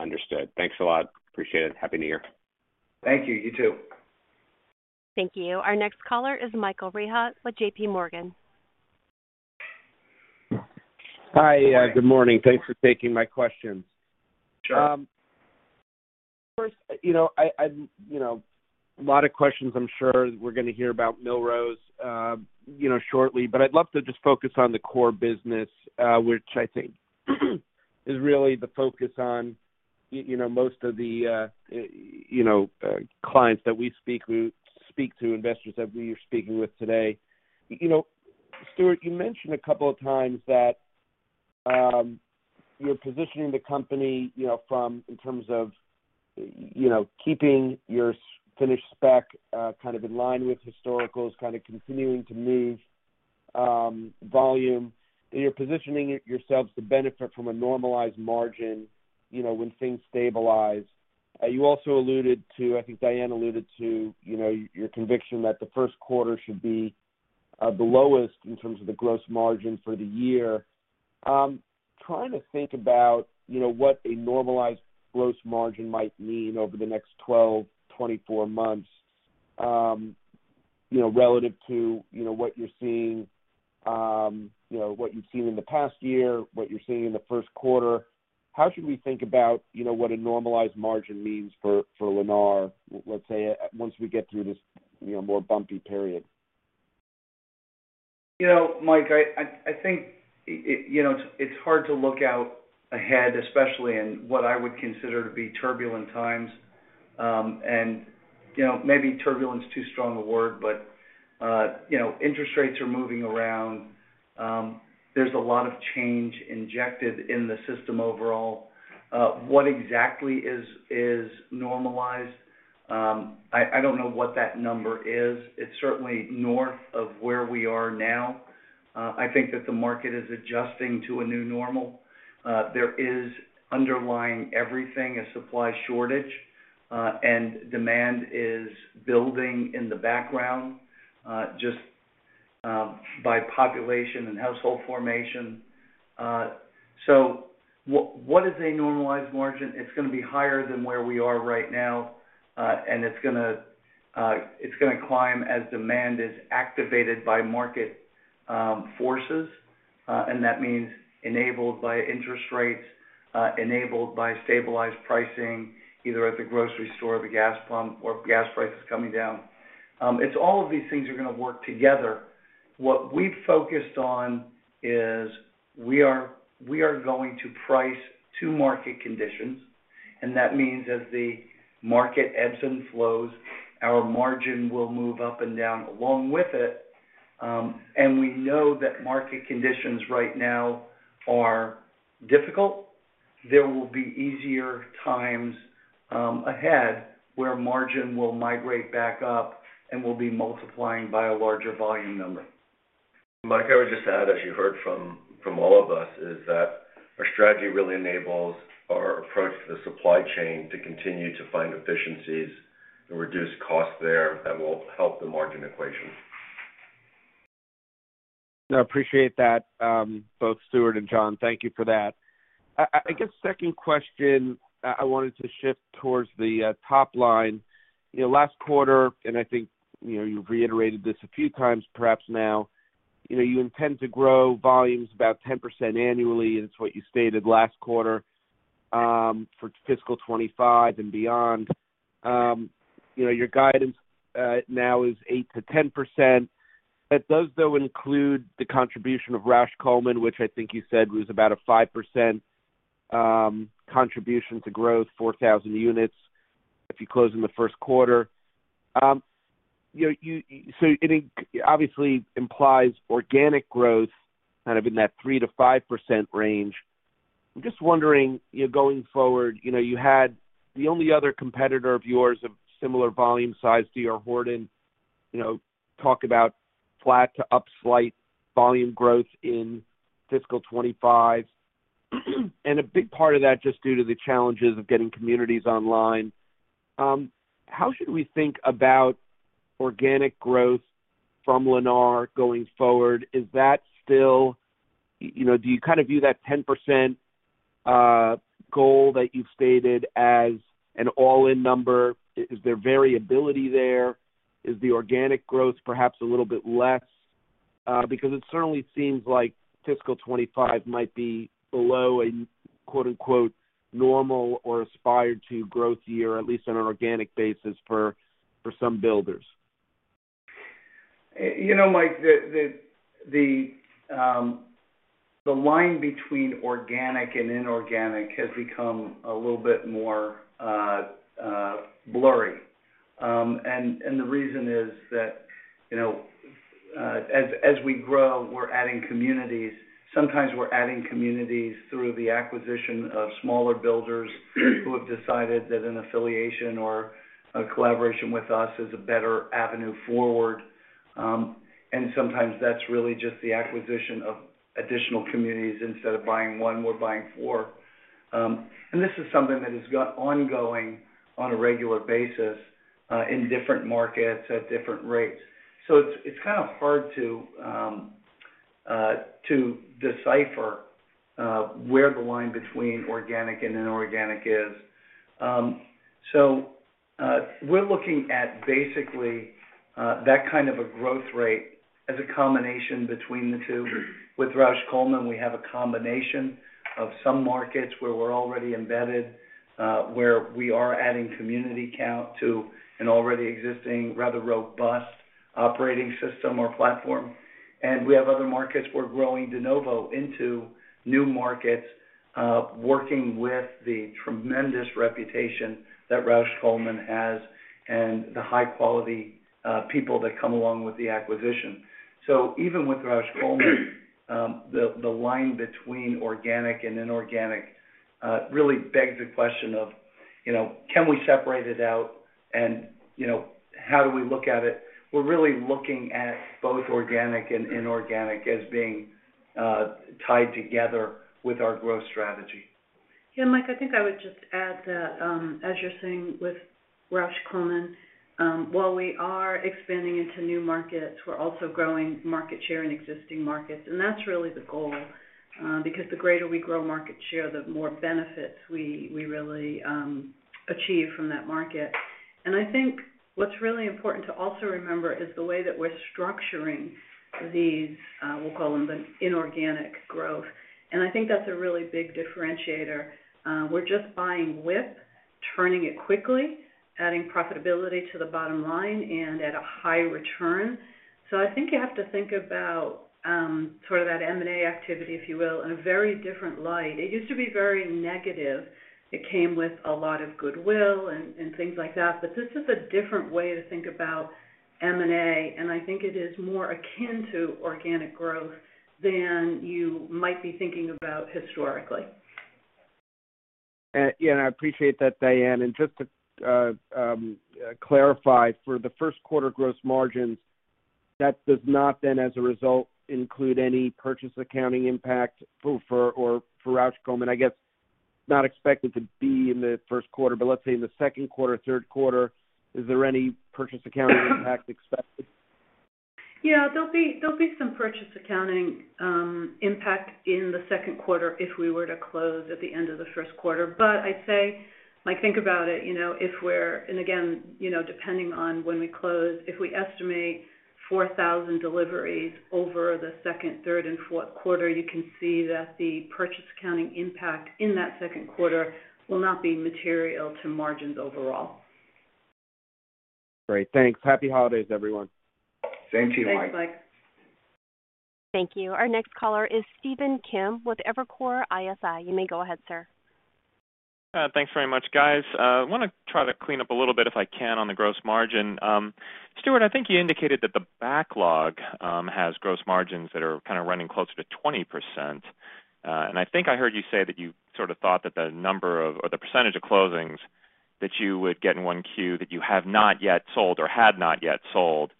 Understood. Thanks a lot. Appreciate it. Happy New Year. Thank you. You too. Thank you. Our next caller is Michael Rehaut with JPMorgan. Hi. Good morning. Thanks for taking my questions. Sure. First, a lot of questions, I'm sure, we're going to hear about Millrose shortly, but I'd love to just focus on the core business, which I think is really the focus on most of the clients that we speak to, investors that we are speaking with today. Stuart, you mentioned a couple of times that you're positioning the company in terms of keeping your finished spec kind of in line with historicals, kind of continuing to move volume. You're positioning yourselves to benefit from a normalized margin when things stabilize. You also alluded to, I think Diane alluded to your conviction that the first quarter should be the lowest in terms of the gross margin for the year. Trying to think about what a normalized gross margin might mean over the next 12, 24 months relative to what you're seeing, what you've seen in the past year, what you're seeing in the first quarter. How should we think about what a normalized margin means for Lennar, let's say, once we get through this more bumpy period? Mike, I think it's hard to look out ahead, especially in what I would consider to be turbulent times, and maybe turbulence is too strong a word, but interest rates are moving around. There's a lot of change injected in the system overall. What exactly is normalized? I don't know what that number is. It's certainly north of where we are now. I think that the market is adjusting to a new normal. There is underlying everything a supply shortage, and demand is building in the background just by population and household formation, so what is a normalized margin? It's going to be higher than where we are right now, and it's going to climb as demand is activated by market forces, and that means enabled by interest rates, enabled by stabilized pricing, either at the grocery store or the gas pump, or gas prices coming down. It's all of these things are going to work together. What we've focused on is we are going to price to market conditions, and that means as the market ebbs and flows, our margin will move up and down along with it, and we know that market conditions right now are difficult. There will be easier times ahead where margin will migrate back up and will be multiplying by a larger volume number. Mike, I would just add, as you heard from all of us, is that our strategy really enables our approach to the supply chain to continue to find efficiencies and reduce costs there that will help the margin equation. I appreciate that, both Stuart and Jon. Thank you for that. I guess second question, I wanted to shift towards the top line. Last quarter, and I think you've reiterated this a few times perhaps now, you intend to grow volumes about 10% annually. It's what you stated last quarter for fiscal 2025 and beyond. Your guidance now is 8%-10%. That does, though, include the contribution of Rausch Coleman, which I think you said was about a 5% contribution to growth, 4,000 units if you close in the first quarter. So it obviously implies organic growth kind of in that 3%-5% range. I'm just wondering, going forward, you had the only other competitor of yours of similar volume size to your Horton talk about flat to up slight volume growth in fiscal 2025. A big part of that just due to the challenges of getting communities online. How should we think about organic growth from Lennar going forward? Is that still do you kind of view that 10% goal that you've stated as an all-in number? Is there variability there? Is the organic growth perhaps a little bit less? Because it certainly seems like fiscal 2025 might be below a "normal" or "aspired to" growth year, at least on an organic basis for some builders. Mike, the line between organic and inorganic has become a little bit more blurry. And the reason is that as we grow, we're adding communities. Sometimes we're adding communities through the acquisition of smaller builders who have decided that an affiliation or a collaboration with us is a better avenue forward. And sometimes that's really just the acquisition of additional communities. Instead of buying one, we're buying four. And this is something that has been going on a regular basis in different markets at different rates. So it's kind of hard to decipher where the line between organic and inorganic is. So we're looking at basically that kind of a growth rate as a combination between the two. With Rausch Coleman, we have a combination of some markets where we're already embedded, where we are adding community count to an already existing rather robust operating system or platform. And we have other markets where we're growing de novo into new markets, working with the tremendous reputation that Rausch Coleman has and the high-quality people that come along with the acquisition. So even with Rausch Coleman, the line between organic and inorganic really begs the question of, can we separate it out? And how do we look at it? We're really looking at both organic and inorganic as being tied together with our growth strategy. Yeah, Mike, I think I would just add that, as you're saying with Rausch Coleman, while we are expanding into new markets, we're also growing market share in existing markets, and that's really the goal because the greater we grow market share, the more benefits we really achieve from that market, and I think what's really important to also remember is the way that we're structuring these, we'll call them the inorganic growth, and I think that's a really big differentiator. We're just buying WIP, turning it quickly, adding profitability to the bottom line, and at a high return. So I think you have to think about sort of that M&A activity, if you will, in a very different light. It used to be very negative. It came with a lot of goodwill and things like that. But this is a different way to think about M&A. I think it is more akin to organic growth than you might be thinking about historically. Yeah, and I appreciate that, Diane. And just to clarify, for the first quarter gross margins, that does not then, as a result, include any purchase accounting impact for Rausch Coleman. I guess not expected to be in the first quarter, but let's say in the second quarter, third quarter, is there any purchase accounting impact expected? Yeah, there'll be some purchase accounting impact in the second quarter if we were to close at the end of the first quarter. But I'd say, Mike, think about it. And again, depending on when we close, if we estimate 4,000 deliveries over the second, third, and fourth quarter, you can see that the purchase accounting impact in that second quarter will not be material to margins overall. Great. Thanks. Happy holidays, everyone. Same to you, Mike. Thanks, Mike. Thank you. Our next caller is Stephen Kim with Evercore ISI. You may go ahead, sir. Thanks very much, guys. I want to try to clean up a little bit if I can on the gross margin. Stuart, I think you indicated that the backlog has gross margins that are kind of running closer to 20%. And I think I heard you say that you sort of thought that the number of or the percentage of closings that you would get in 1Q that you have not yet sold or had not yet sold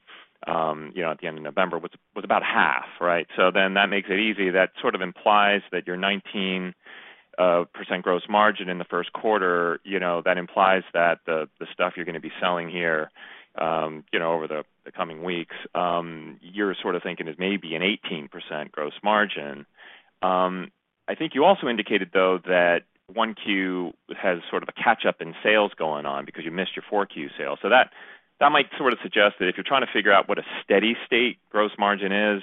at the end of November was about half, right? So then that makes it easy. That sort of implies that your 19% gross margin in the first quarter, that implies that the stuff you're going to be selling here over the coming weeks, you're sort of thinking is maybe an 18% gross margin. I think you also indicated, though, that one Q has sort of a catch-up in sales going on because you missed your Q4 sales. So that might sort of suggest that if you're trying to figure out what a steady state gross margin is,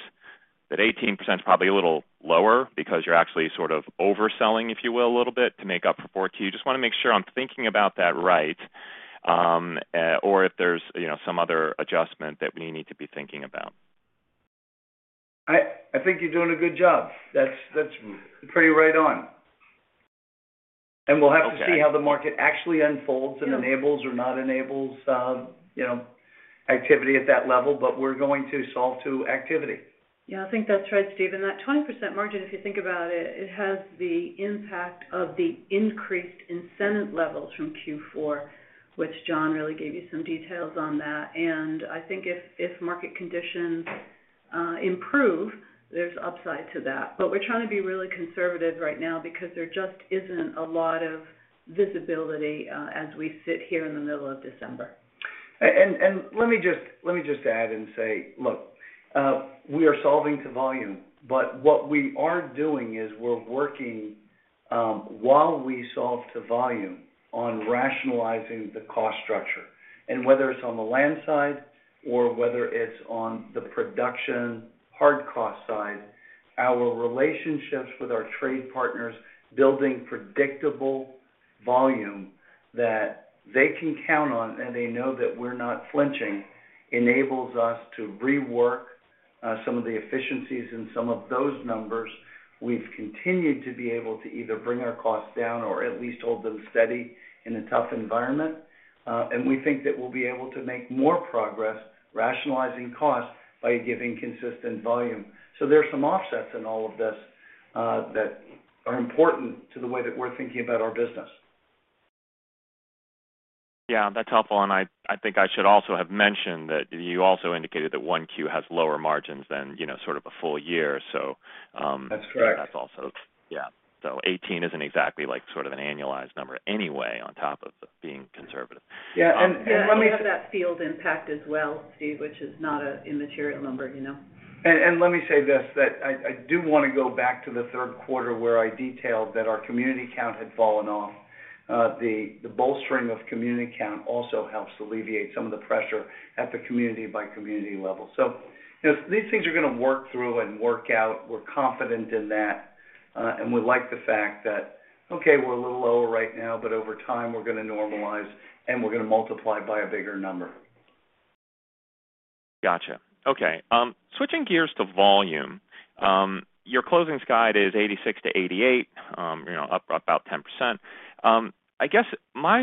that 18% is probably a little lower because you're actually sort of overselling, if you will, a little bit to make up for Q4. Just want to make sure I'm thinking about that right or if there's some other adjustment that we need to be thinking about. I think you're doing a good job. That's pretty right on. And we'll have to see how the market actually unfolds and enables or not enables activity at that level, but we're going to solve to activity. Yeah, I think that's right, Stephen. That 20% margin, if you think about it, it has the impact of the increased incentive levels from Q4, which Jon really gave you some details on that. And I think if market conditions improve, there's upside to that. But we're trying to be really conservative right now because there just isn't a lot of visibility as we sit here in the middle of December. And let me just add and say, look, we are solving to volume, but what we are doing is we're working while we solve to volume on rationalizing the cost structure. And whether it's on the land side or whether it's on the production hard cost side, our relationships with our trade partners, building predictable volume that they can count on and they know that we're not flinching, enables us to rework some of the efficiencies in some of those numbers. We've continued to be able to either bring our costs down or at least hold them steady in a tough environment. And we think that we'll be able to make more progress rationalizing costs by giving consistent volume. So there are some offsets in all of this that are important to the way that we're thinking about our business. Yeah, that's helpful. And I think I should also have mentioned that you also indicated that one Q has lower margins than sort of a full year. So. That's correct. That's also, yeah. So 18 isn't exactly sort of an annualized number anyway on top of being conservative. Yeah. And let me. We have that field impact as well, Steve, which is not an immaterial number. And let me say this, that I do want to go back to the third quarter where I detailed that our community count had fallen off. The bolstering of community count also helps alleviate some of the pressure at the community-by-community level. So these things are going to work through and work out. We're confident in that. And we like the fact that, okay, we're a little lower right now, but over time we're going to normalize and we're going to multiply by a bigger number. Gotcha. Okay. Switching gears to volume, your closings guide is 86 to 88, up about 10%. I guess my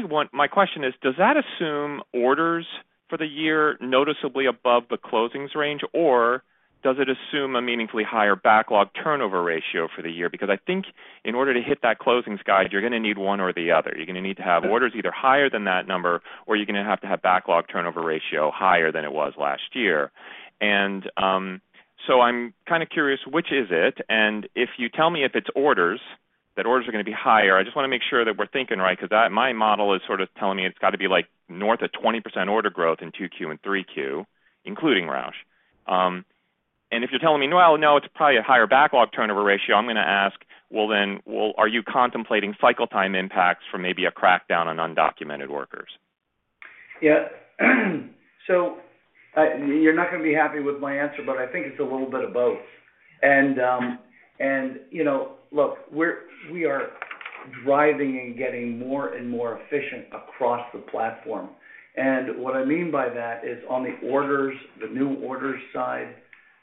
question is, does that assume orders for the year noticeably above the closings range, or does it assume a meaningfully higher backlog turnover ratio for the year? Because I think in order to hit that closings guide, you're going to need one or the other. You're going to need to have orders either higher than that number or you're going to have to have backlog turnover ratio higher than it was last year. And so I'm kind of curious, which is it? And if you tell me if it's orders, that orders are going to be higher, I just want to make sure that we're thinking right because my model is sort of telling me it's got to be north of 20% order growth in Q2 and Q3, including Rausch. And if you're telling me, "Well, no, it's probably a higher backlog turnover ratio," I'm going to ask, "Well, then are you contemplating cycle time impacts from maybe a crackdown on undocumented workers? Yeah. So you're not going to be happy with my answer, but I think it's a little bit of both. And look, we are driving and getting more and more efficient across the platform. And what I mean by that is on the orders, the new orders side,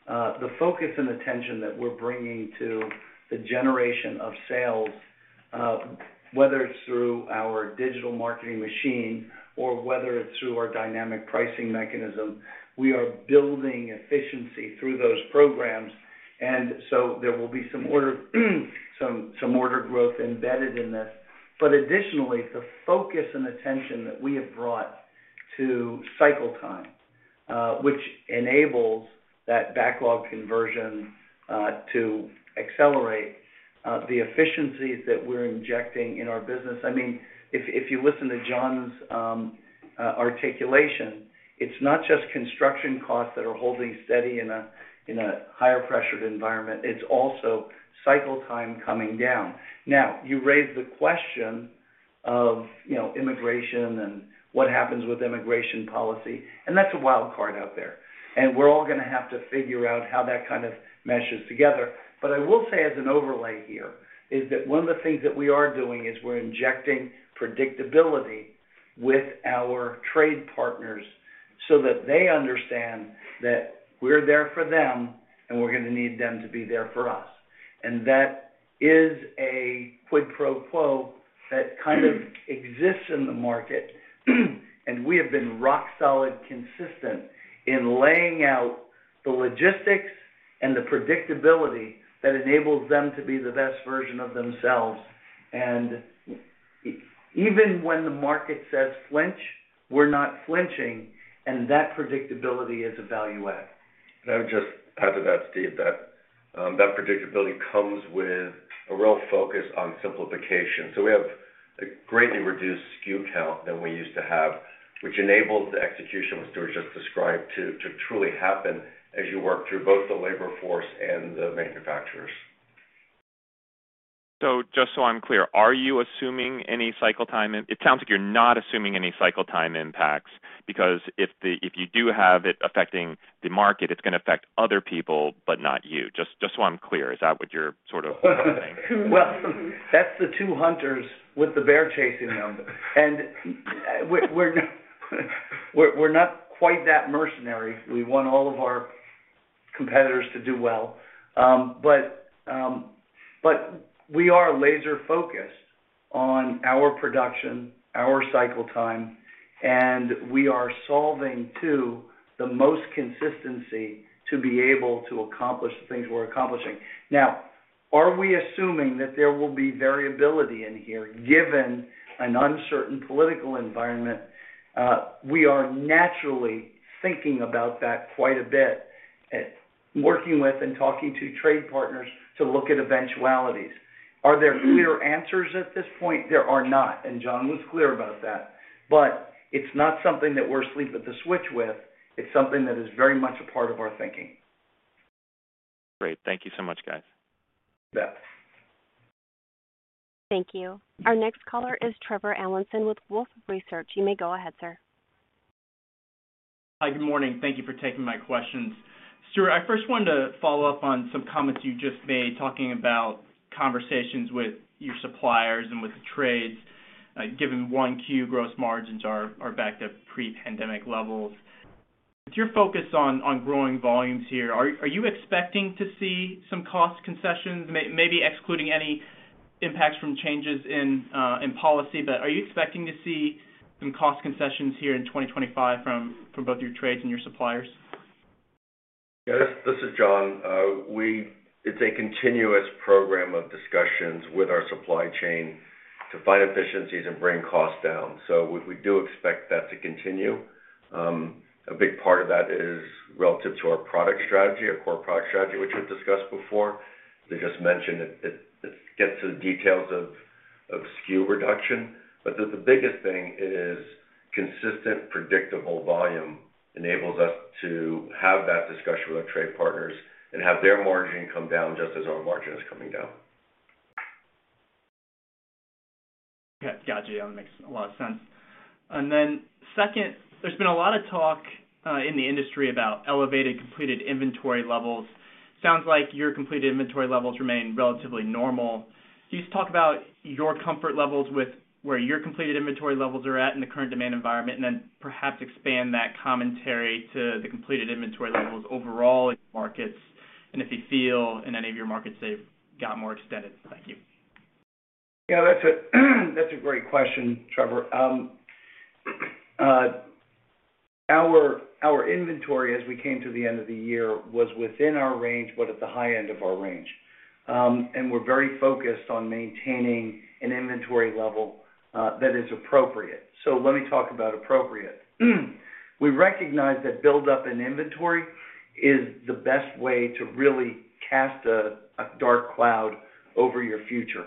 the focus and attention that we're bringing to the generation of sales, whether it's through our digital marketing machine or whether it's through our dynamic pricing mechanism, we are building efficiency through those programs. And so there will be some order growth embedded in this. But additionally, the focus and attention that we have brought to cycle time, which enables that backlog conversion to accelerate the efficiencies that we're injecting in our business. I mean, if you listen to Jon's articulation, it's not just construction costs that are holding steady in a higher pressured environment. It's also cycle time coming down. Now, you raise the question of immigration and what happens with immigration policy. And that's a wild card out there. And we're all going to have to figure out how that kind of meshes together. But I will say as an overlay here is that one of the things that we are doing is we're injecting predictability with our trade partners so that they understand that we're there for them and we're going to need them to be there for us. And that is a quid pro quo that kind of exists in the market. And we have been rock solid consistent in laying out the logistics and the predictability that enables them to be the best version of themselves. And even when the market says flinch, we're not flinching. And that predictability is a value add. I would just add to that, Steve, that that predictability comes with a real focus on simplification. So we have a greatly reduced SKU count than we used to have, which enables the execution of what Stuart just described to truly happen as you work through both the labor force and the manufacturers. So just so I'm clear, are you assuming any cycle time? It sounds like you're not assuming any cycle time impacts because if you do have it affecting the market, it's going to affect other people, but not you. Just so I'm clear, is that what you're sort of saying? That's the two hunters with the bear chasing number. And we're not quite that mercenary. We want all of our competitors to do well. But we are laser-focused on our production, our cycle time, and we are solving to the most consistency to be able to accomplish the things we're accomplishing. Now, are we assuming that there will be variability in here given an uncertain political environment? We are naturally thinking about that quite a bit, working with and talking to trade partners to look at eventualities. Are there clear answers at this point? There are not. And Jon was clear about that. But it's not something that we're sleeping with the switch with. It's something that is very much a part of our thinking. Great. Thank you so much, guys. Yeah. Thank you. Our next caller is Trevor Allinson with Wolfe Research. You may go ahead, sir. Hi, good morning. Thank you for taking my questions. Stuart, I first wanted to follow up on some comments you just made talking about conversations with your suppliers and with the trades, given 1Q gross margins are back to pre-pandemic levels. With your focus on growing volumes here, are you expecting to see some cost concessions, maybe excluding any impacts from changes in policy, but are you expecting to see some cost concessions here in 2025 from both your trades and your suppliers? Yeah, this is Jon. It's a continuous program of discussions with our supply chain to find efficiencies and bring costs down, so we do expect that to continue. A big part of that is relative to our product strategy, our core product strategy, which we've discussed before. As I just mentioned, it gets to the details of SKU reduction. But the biggest thing is consistent predictable volume enables us to have that discussion with our trade partners and have their margin come down just as our margin is coming down. Okay. Gotcha. That makes a lot of sense. And then second, there's been a lot of talk in the industry about elevated completed inventory levels. Sounds like your completed inventory levels remain relatively normal. Can you talk about your comfort levels with where your completed inventory levels are at in the current demand environment and then perhaps expand that commentary to the completed inventory levels overall in markets? And if you feel in any of your markets they've got more extended? Thank you. Yeah, that's a great question, Trevor. Our inventory, as we came to the end of the year, was within our range, but at the high end of our range. And we're very focused on maintaining an inventory level that is appropriate. So let me talk about appropriate. We recognize that build-up in inventory is the best way to really cast a dark cloud over your future.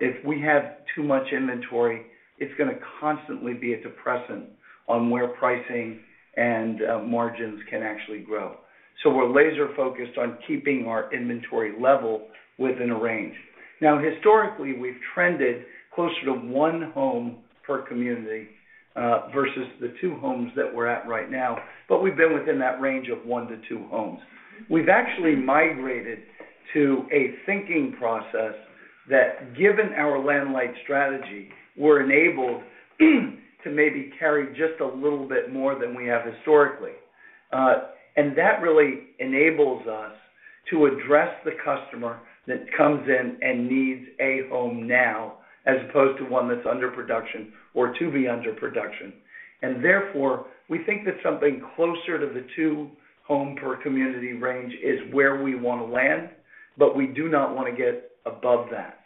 If we have too much inventory, it's going to constantly be a depressant on where pricing and margins can actually grow. So we're laser-focused on keeping our inventory level within a range. Now, historically, we've trended closer to one home per community versus the two homes that we're at right now, but we've been within that range of one to two homes. We've actually migrated to a thinking process that, given our land-light strategy, we're enabled to maybe carry just a little bit more than we have historically, and that really enables us to address the customer that comes in and needs a home now as opposed to one that's under production or to be under production. And therefore, we think that something closer to the two homes per community range is where we want to land, but we do not want to get above that,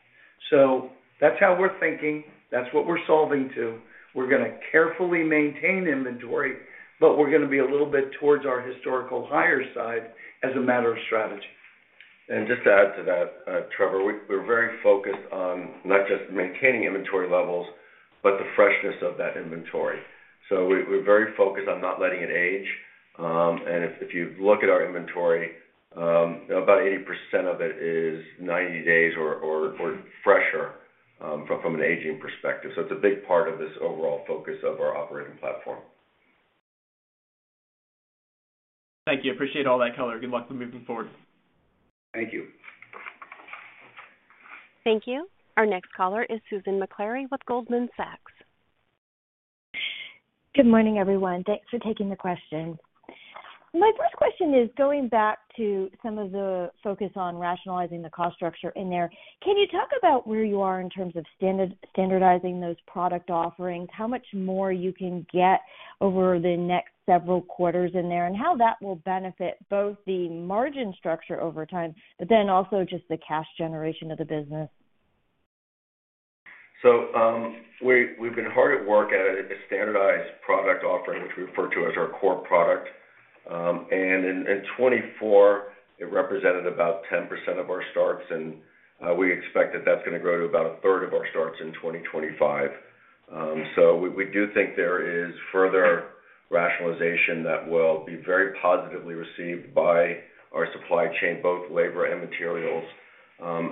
so that's how we're thinking. That's what we're solving to. We're going to carefully maintain inventory, but we're going to be a little bit towards our historical higher side as a matter of strategy. And just to add to that, Trevor, we're very focused on not just maintaining inventory levels, but the freshness of that inventory. So we're very focused on not letting it age. And if you look at our inventory, about 80% of it is 90 days or fresher from an aging perspective. So it's a big part of this overall focus of our operating platform. Thank you. Appreciate all that, color. Good luck moving forward. Thank you. Thank you. Our next caller is Susan Maklari with Goldman Sachs. Good morning, everyone. Thanks for taking the question. My first question is going back to some of the focus on rationalizing the cost structure in there. Can you talk about where you are in terms of standardizing those product offerings, how much more you can get over the next several quarters in there, and how that will benefit both the margin structure over time, but then also just the cash generation of the business? We've been hard at work at a standardized product offering, which we refer to as our core product. In 2024, it represented about 10% of our starts. We expect that that's going to grow to about a third of our starts in 2025. We do think there is further rationalization that will be very positively received by our supply chain, both labor and materials,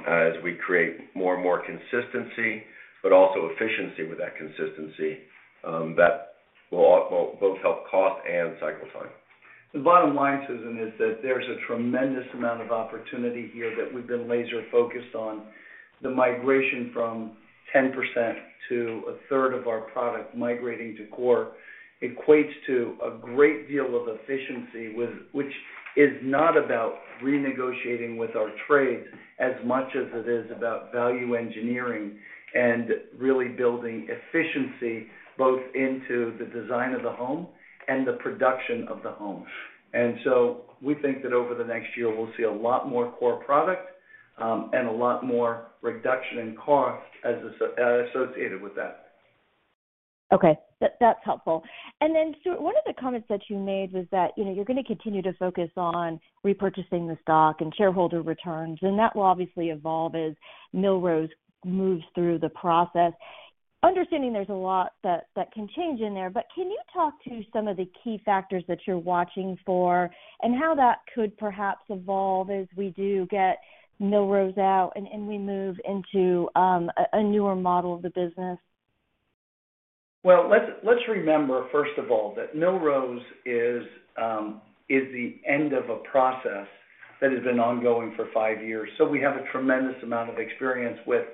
as we create more and more consistency, but also efficiency with that consistency that will both help cost and cycle time. The bottom line, Susan, is that there's a tremendous amount of opportunity here that we've been laser-focused on. The migration from 10% to a third of our product migrating to core equates to a great deal of efficiency, which is not about renegotiating with our trades as much as it is about value engineering and really building efficiency both into the design of the home and the production of the home, and so we think that over the next year, we'll see a lot more core product and a lot more reduction in cost associated with that. Okay. That's helpful. And then, Stuart, one of the comments that you made was that you're going to continue to focus on repurchasing the stock and shareholder returns. And that will obviously evolve as Millrose moves through the process. Understanding there's a lot that can change in there, but can you talk to some of the key factors that you're watching for and how that could perhaps evolve as we do get Millrose out and we move into a newer model of the business? Let's remember, first of all, that Millrose is the end of a process that has been ongoing for five years. We have a tremendous amount of experience with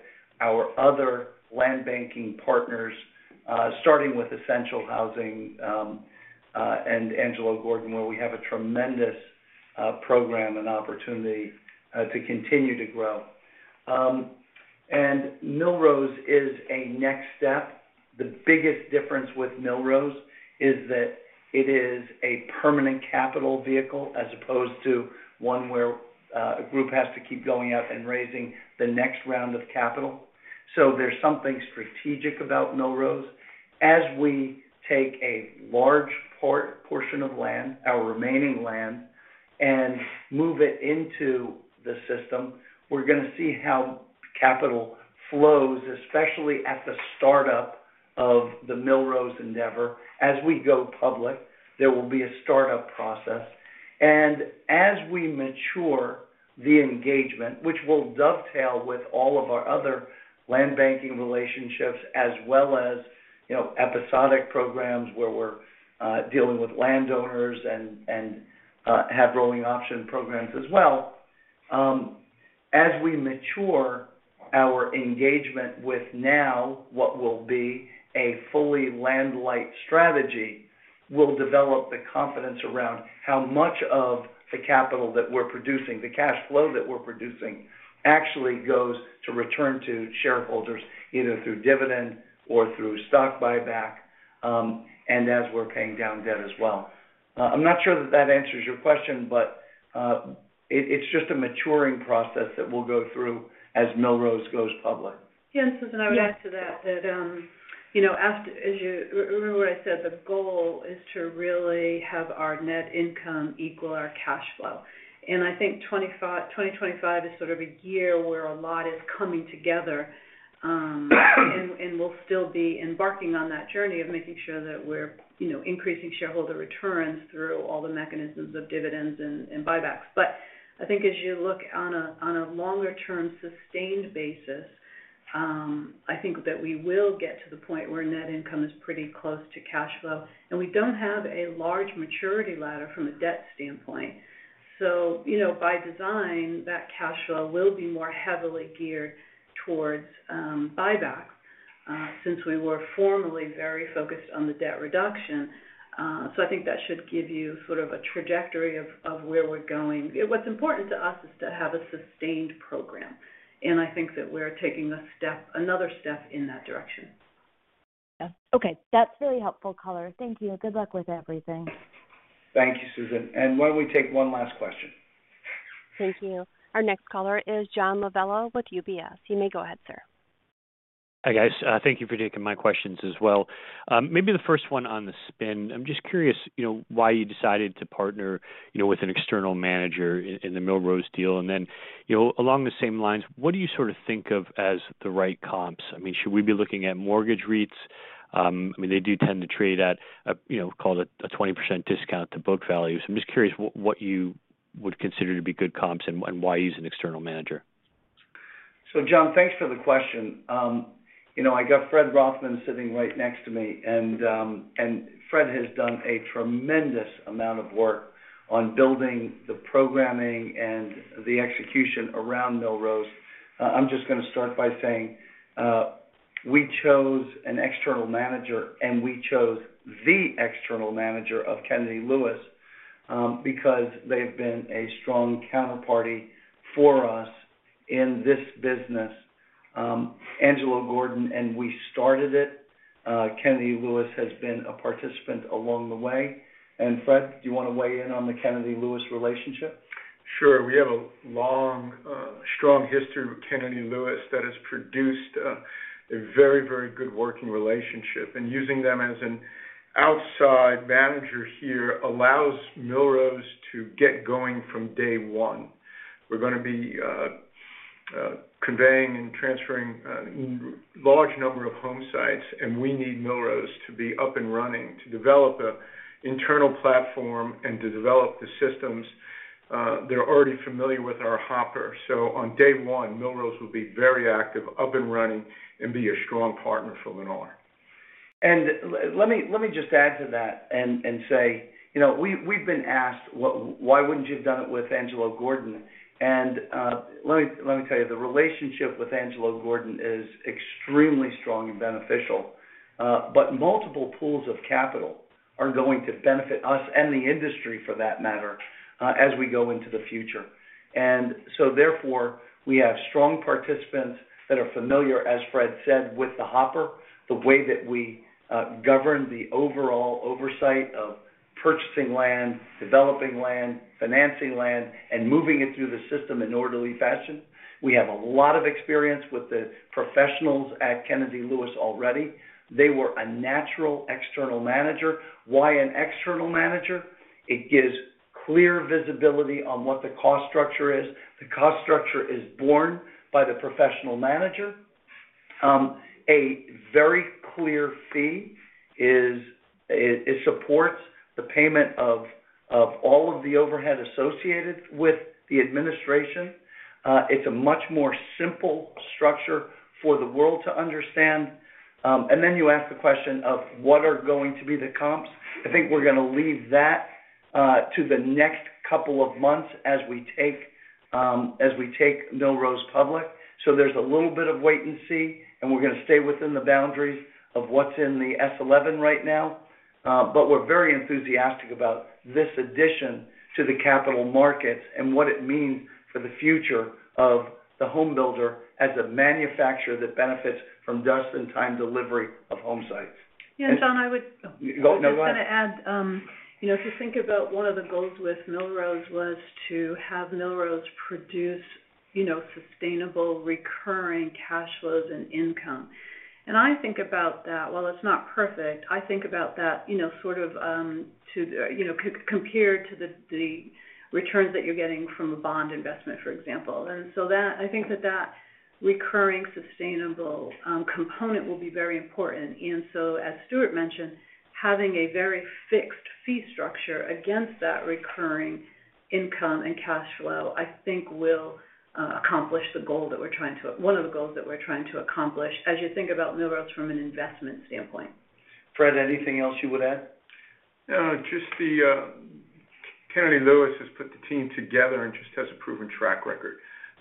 our other land banking partners, starting with Essential Housing and Angelo Gordon, where we have a tremendous program and opportunity to continue to grow. Millrose is a next step. The biggest difference with Millrose is that it is a permanent capital vehicle as opposed to one where a group has to keep going out and raising the next round of capital. There's something strategic about Millrose. As we take a large portion of land, our remaining land, and move it into the system, we're going to see how capital flows, especially at the startup of the Millrose endeavor. As we go public, there will be a startup process. And as we mature the engagement, which will dovetail with all of our other land banking relationships, as well as episodic programs where we're dealing with landowners and have rolling option programs as well, as we mature our engagement with now what will be a fully land-light strategy, we'll develop the confidence around how much of the capital that we're producing, the cash flow that we're producing, actually goes to return to shareholders either through dividend or through stock buyback and as we're paying down debt as well. I'm not sure that that answers your question, but it's just a maturing process that we'll go through as Millrose goes public. Yeah, and Susan, I would add to that that, as you remember what I said, the goal is to really have our net income equal our cash flow. And I think 2025 is sort of a year where a lot is coming together. And we'll still be embarking on that journey of making sure that we're increasing shareholder returns through all the mechanisms of dividends and buybacks. But I think as you look on a longer-term sustained basis, I think that we will get to the point where net income is pretty close to cash flow. And we don't have a large maturity ladder from a debt standpoint. So by design, that cash flow will be more heavily geared towards buybacks since we were formerly very focused on the debt reduction. So I think that should give you sort of a trajectory of where we're going. What's important to us is to have a sustained program, and I think that we're taking another step in that direction. Yeah. Okay. That's really helpful, color. Thank you. Good luck with everything. Thank you, Susan. And why don't we take one last question? Thank you. Our next caller is John Lovallo with UBS. You may go ahead, sir. Hi, guys. Thank you for taking my questions as well. Maybe the first one on the spin. I'm just curious why you decided to partner with an external manager in the Millrose deal. And then along the same lines, what do you sort of think of as the right comps? I mean, should we be looking at mortgage REITs? I mean, they do tend to trade at a 20% discount to book values. I'm just curious what you would consider to be good comps and why use an external manager? So John, thanks for the question. I got Fred Rothman sitting right next to me. And Fred has done a tremendous amount of work on building the programming and the execution around Millrose. I'm just going to start by saying we chose an external manager, and we chose the external manager of Kennedy Lewis because they have been a strong counterparty for us in this business. Angelo Gordon and we started it. Kennedy Lewis has been a participant along the way. And Fred, do you want to weigh in on the Kennedy Lewis relationship? Sure. We have a long, strong history with Kennedy Lewis that has produced a very, very good working relationship. Using them as an outside manager here allows Millrose to get going from day one. We're going to be conveying and transferring a large number of home sites, and we need Millrose to be up and running to develop an internal platform and to develop the systems. They're already familiar with our hopper. So on day one, Millrose will be very active, up and running, and be a strong partner for Lennar. And let me just add to that and say we've been asked, "Why wouldn't you have done it with Angelo Gordon?" And let me tell you, the relationship with Angelo Gordon is extremely strong and beneficial. But multiple pools of capital are going to benefit us and the industry for that matter as we go into the future. And so therefore, we have strong participants that are familiar, as Fred said, with the hopper, the way that we govern the overall oversight of purchasing land, developing land, financing land, and moving it through the system in orderly fashion. We have a lot of experience with the professionals at Kennedy Lewis already. They were a natural external manager. Why an external manager? It gives clear visibility on what the cost structure is. The cost structure is borne by the professional manager. A very clear fee supports the payment of all of the overhead associated with the administration. It's a much more simple structure for the world to understand. And then you ask the question of what are going to be the comps. I think we're going to leave that to the next couple of months as we take Millrose public. So there's a little bit of wait and see, and we're going to stay within the boundaries of what's in the S-11 right now. But we're very enthusiastic about this addition to the capital markets and what it means for the future of the homebuilder as a manufacturer that benefits from just-in-time delivery of home sites. Yeah. And John, I would just kind of add, if you think about one of the goals with Millrose was to have Millrose produce sustainable recurring cash flows and income. And I think about that, while it's not perfect, I think about that sort of to compare to the returns that you're getting from a bond investment, for example. And so I think that that recurring sustainable component will be very important. And so, as Stuart mentioned, having a very fixed fee structure against that recurring income and cash flow, I think, will accomplish the goal that we're trying to—one of the goals that we're trying to accomplish as you think about Millrose from an investment standpoint. Fred, anything else you would add? Just, the Kennedy Lewis has put the team together and just has a proven track record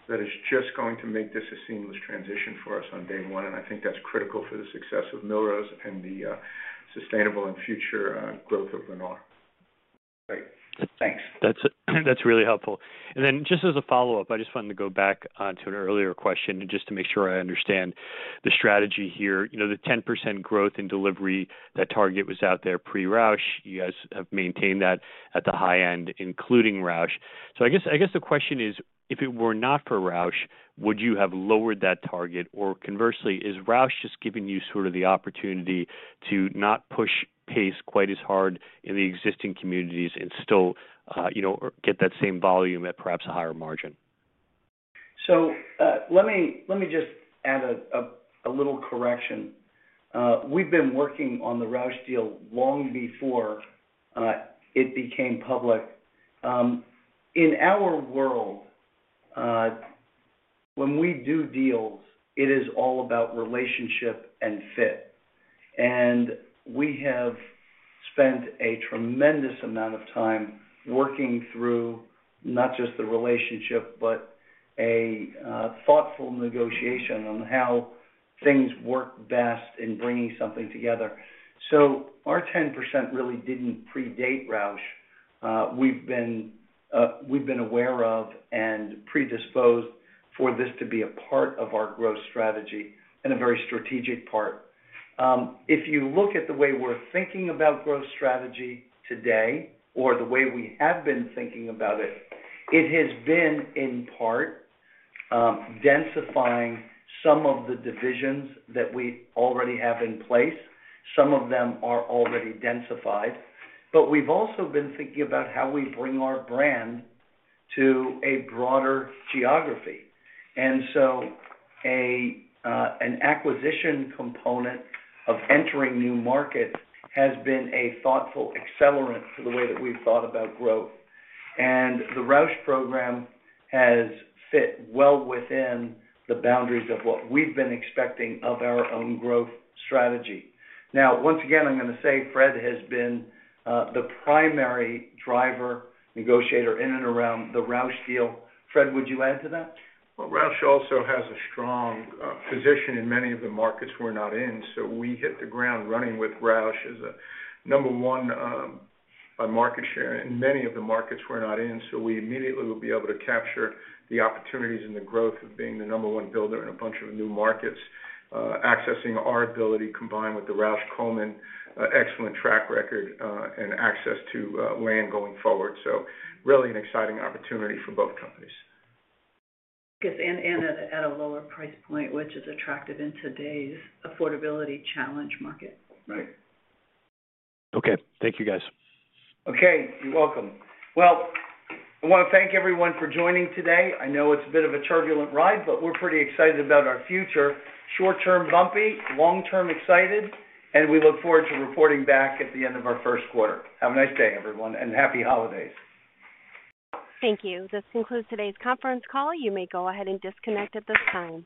that is just going to make this a seamless transition for us on day one. I think that's critical for the success of Millrose and the sustainable and future growth of Lennar. Great. Thanks. That's really helpful, and then just as a follow-up, I just wanted to go back to an earlier question just to make sure I understand the strategy here. The 10% growth in delivery that target was out there pre-Rausch, you guys have maintained that at the high end, including Rausch, so I guess the question is, if it were not for Rausch, would you have lowered that target, or conversely, is Rausch just giving you sort of the opportunity to not push pace quite as hard in the existing communities and still get that same volume at perhaps a higher margin? So let me just add a little correction. We've been working on the Rausch deal long before it became public. In our world, when we do deals, it is all about relationship and fit. And we have spent a tremendous amount of time working through not just the relationship, but a thoughtful negotiation on how things work best in bringing something together. So our 10% really didn't predate Rausch. We've been aware of and predisposed for this to be a part of our growth strategy and a very strategic part. If you look at the way we're thinking about growth strategy today or the way we have been thinking about it, it has been in part densifying some of the divisions that we already have in place. Some of them are already densified. But we've also been thinking about how we bring our brand to a broader geography. And so an acquisition component of entering new markets has been a thoughtful accelerant to the way that we've thought about growth. And the Rausch program has fit well within the boundaries of what we've been expecting of our own growth strategy. Now, once again, I'm going to say Fred has been the primary driver, negotiator in and around the Rausch deal. Fred, would you add to that? Rausch also has a strong position in many of the markets we're not in. We hit the ground running with Rausch as a number one by market share in many of the markets we're not in. We immediately will be able to capture the opportunities and the growth of being the number one builder in a bunch of new markets, accessing our ability combined with the Rausch Coleman, excellent track record, and access to land going forward. Really an exciting opportunity for both companies. Yes, and at a lower price point, which is attractive in today's affordability challenge market. Right. Okay. Thank you, guys. Okay. You're welcome, well, I want to thank everyone for joining today. I know it's a bit of a turbulent ride, but we're pretty excited about our future. Short-term bumpy, long-term excited, and we look forward to reporting back at the end of our first quarter. Have a nice day, everyone, and happy holidays. Thank you. This concludes today's conference call. You may go ahead and disconnect at this time.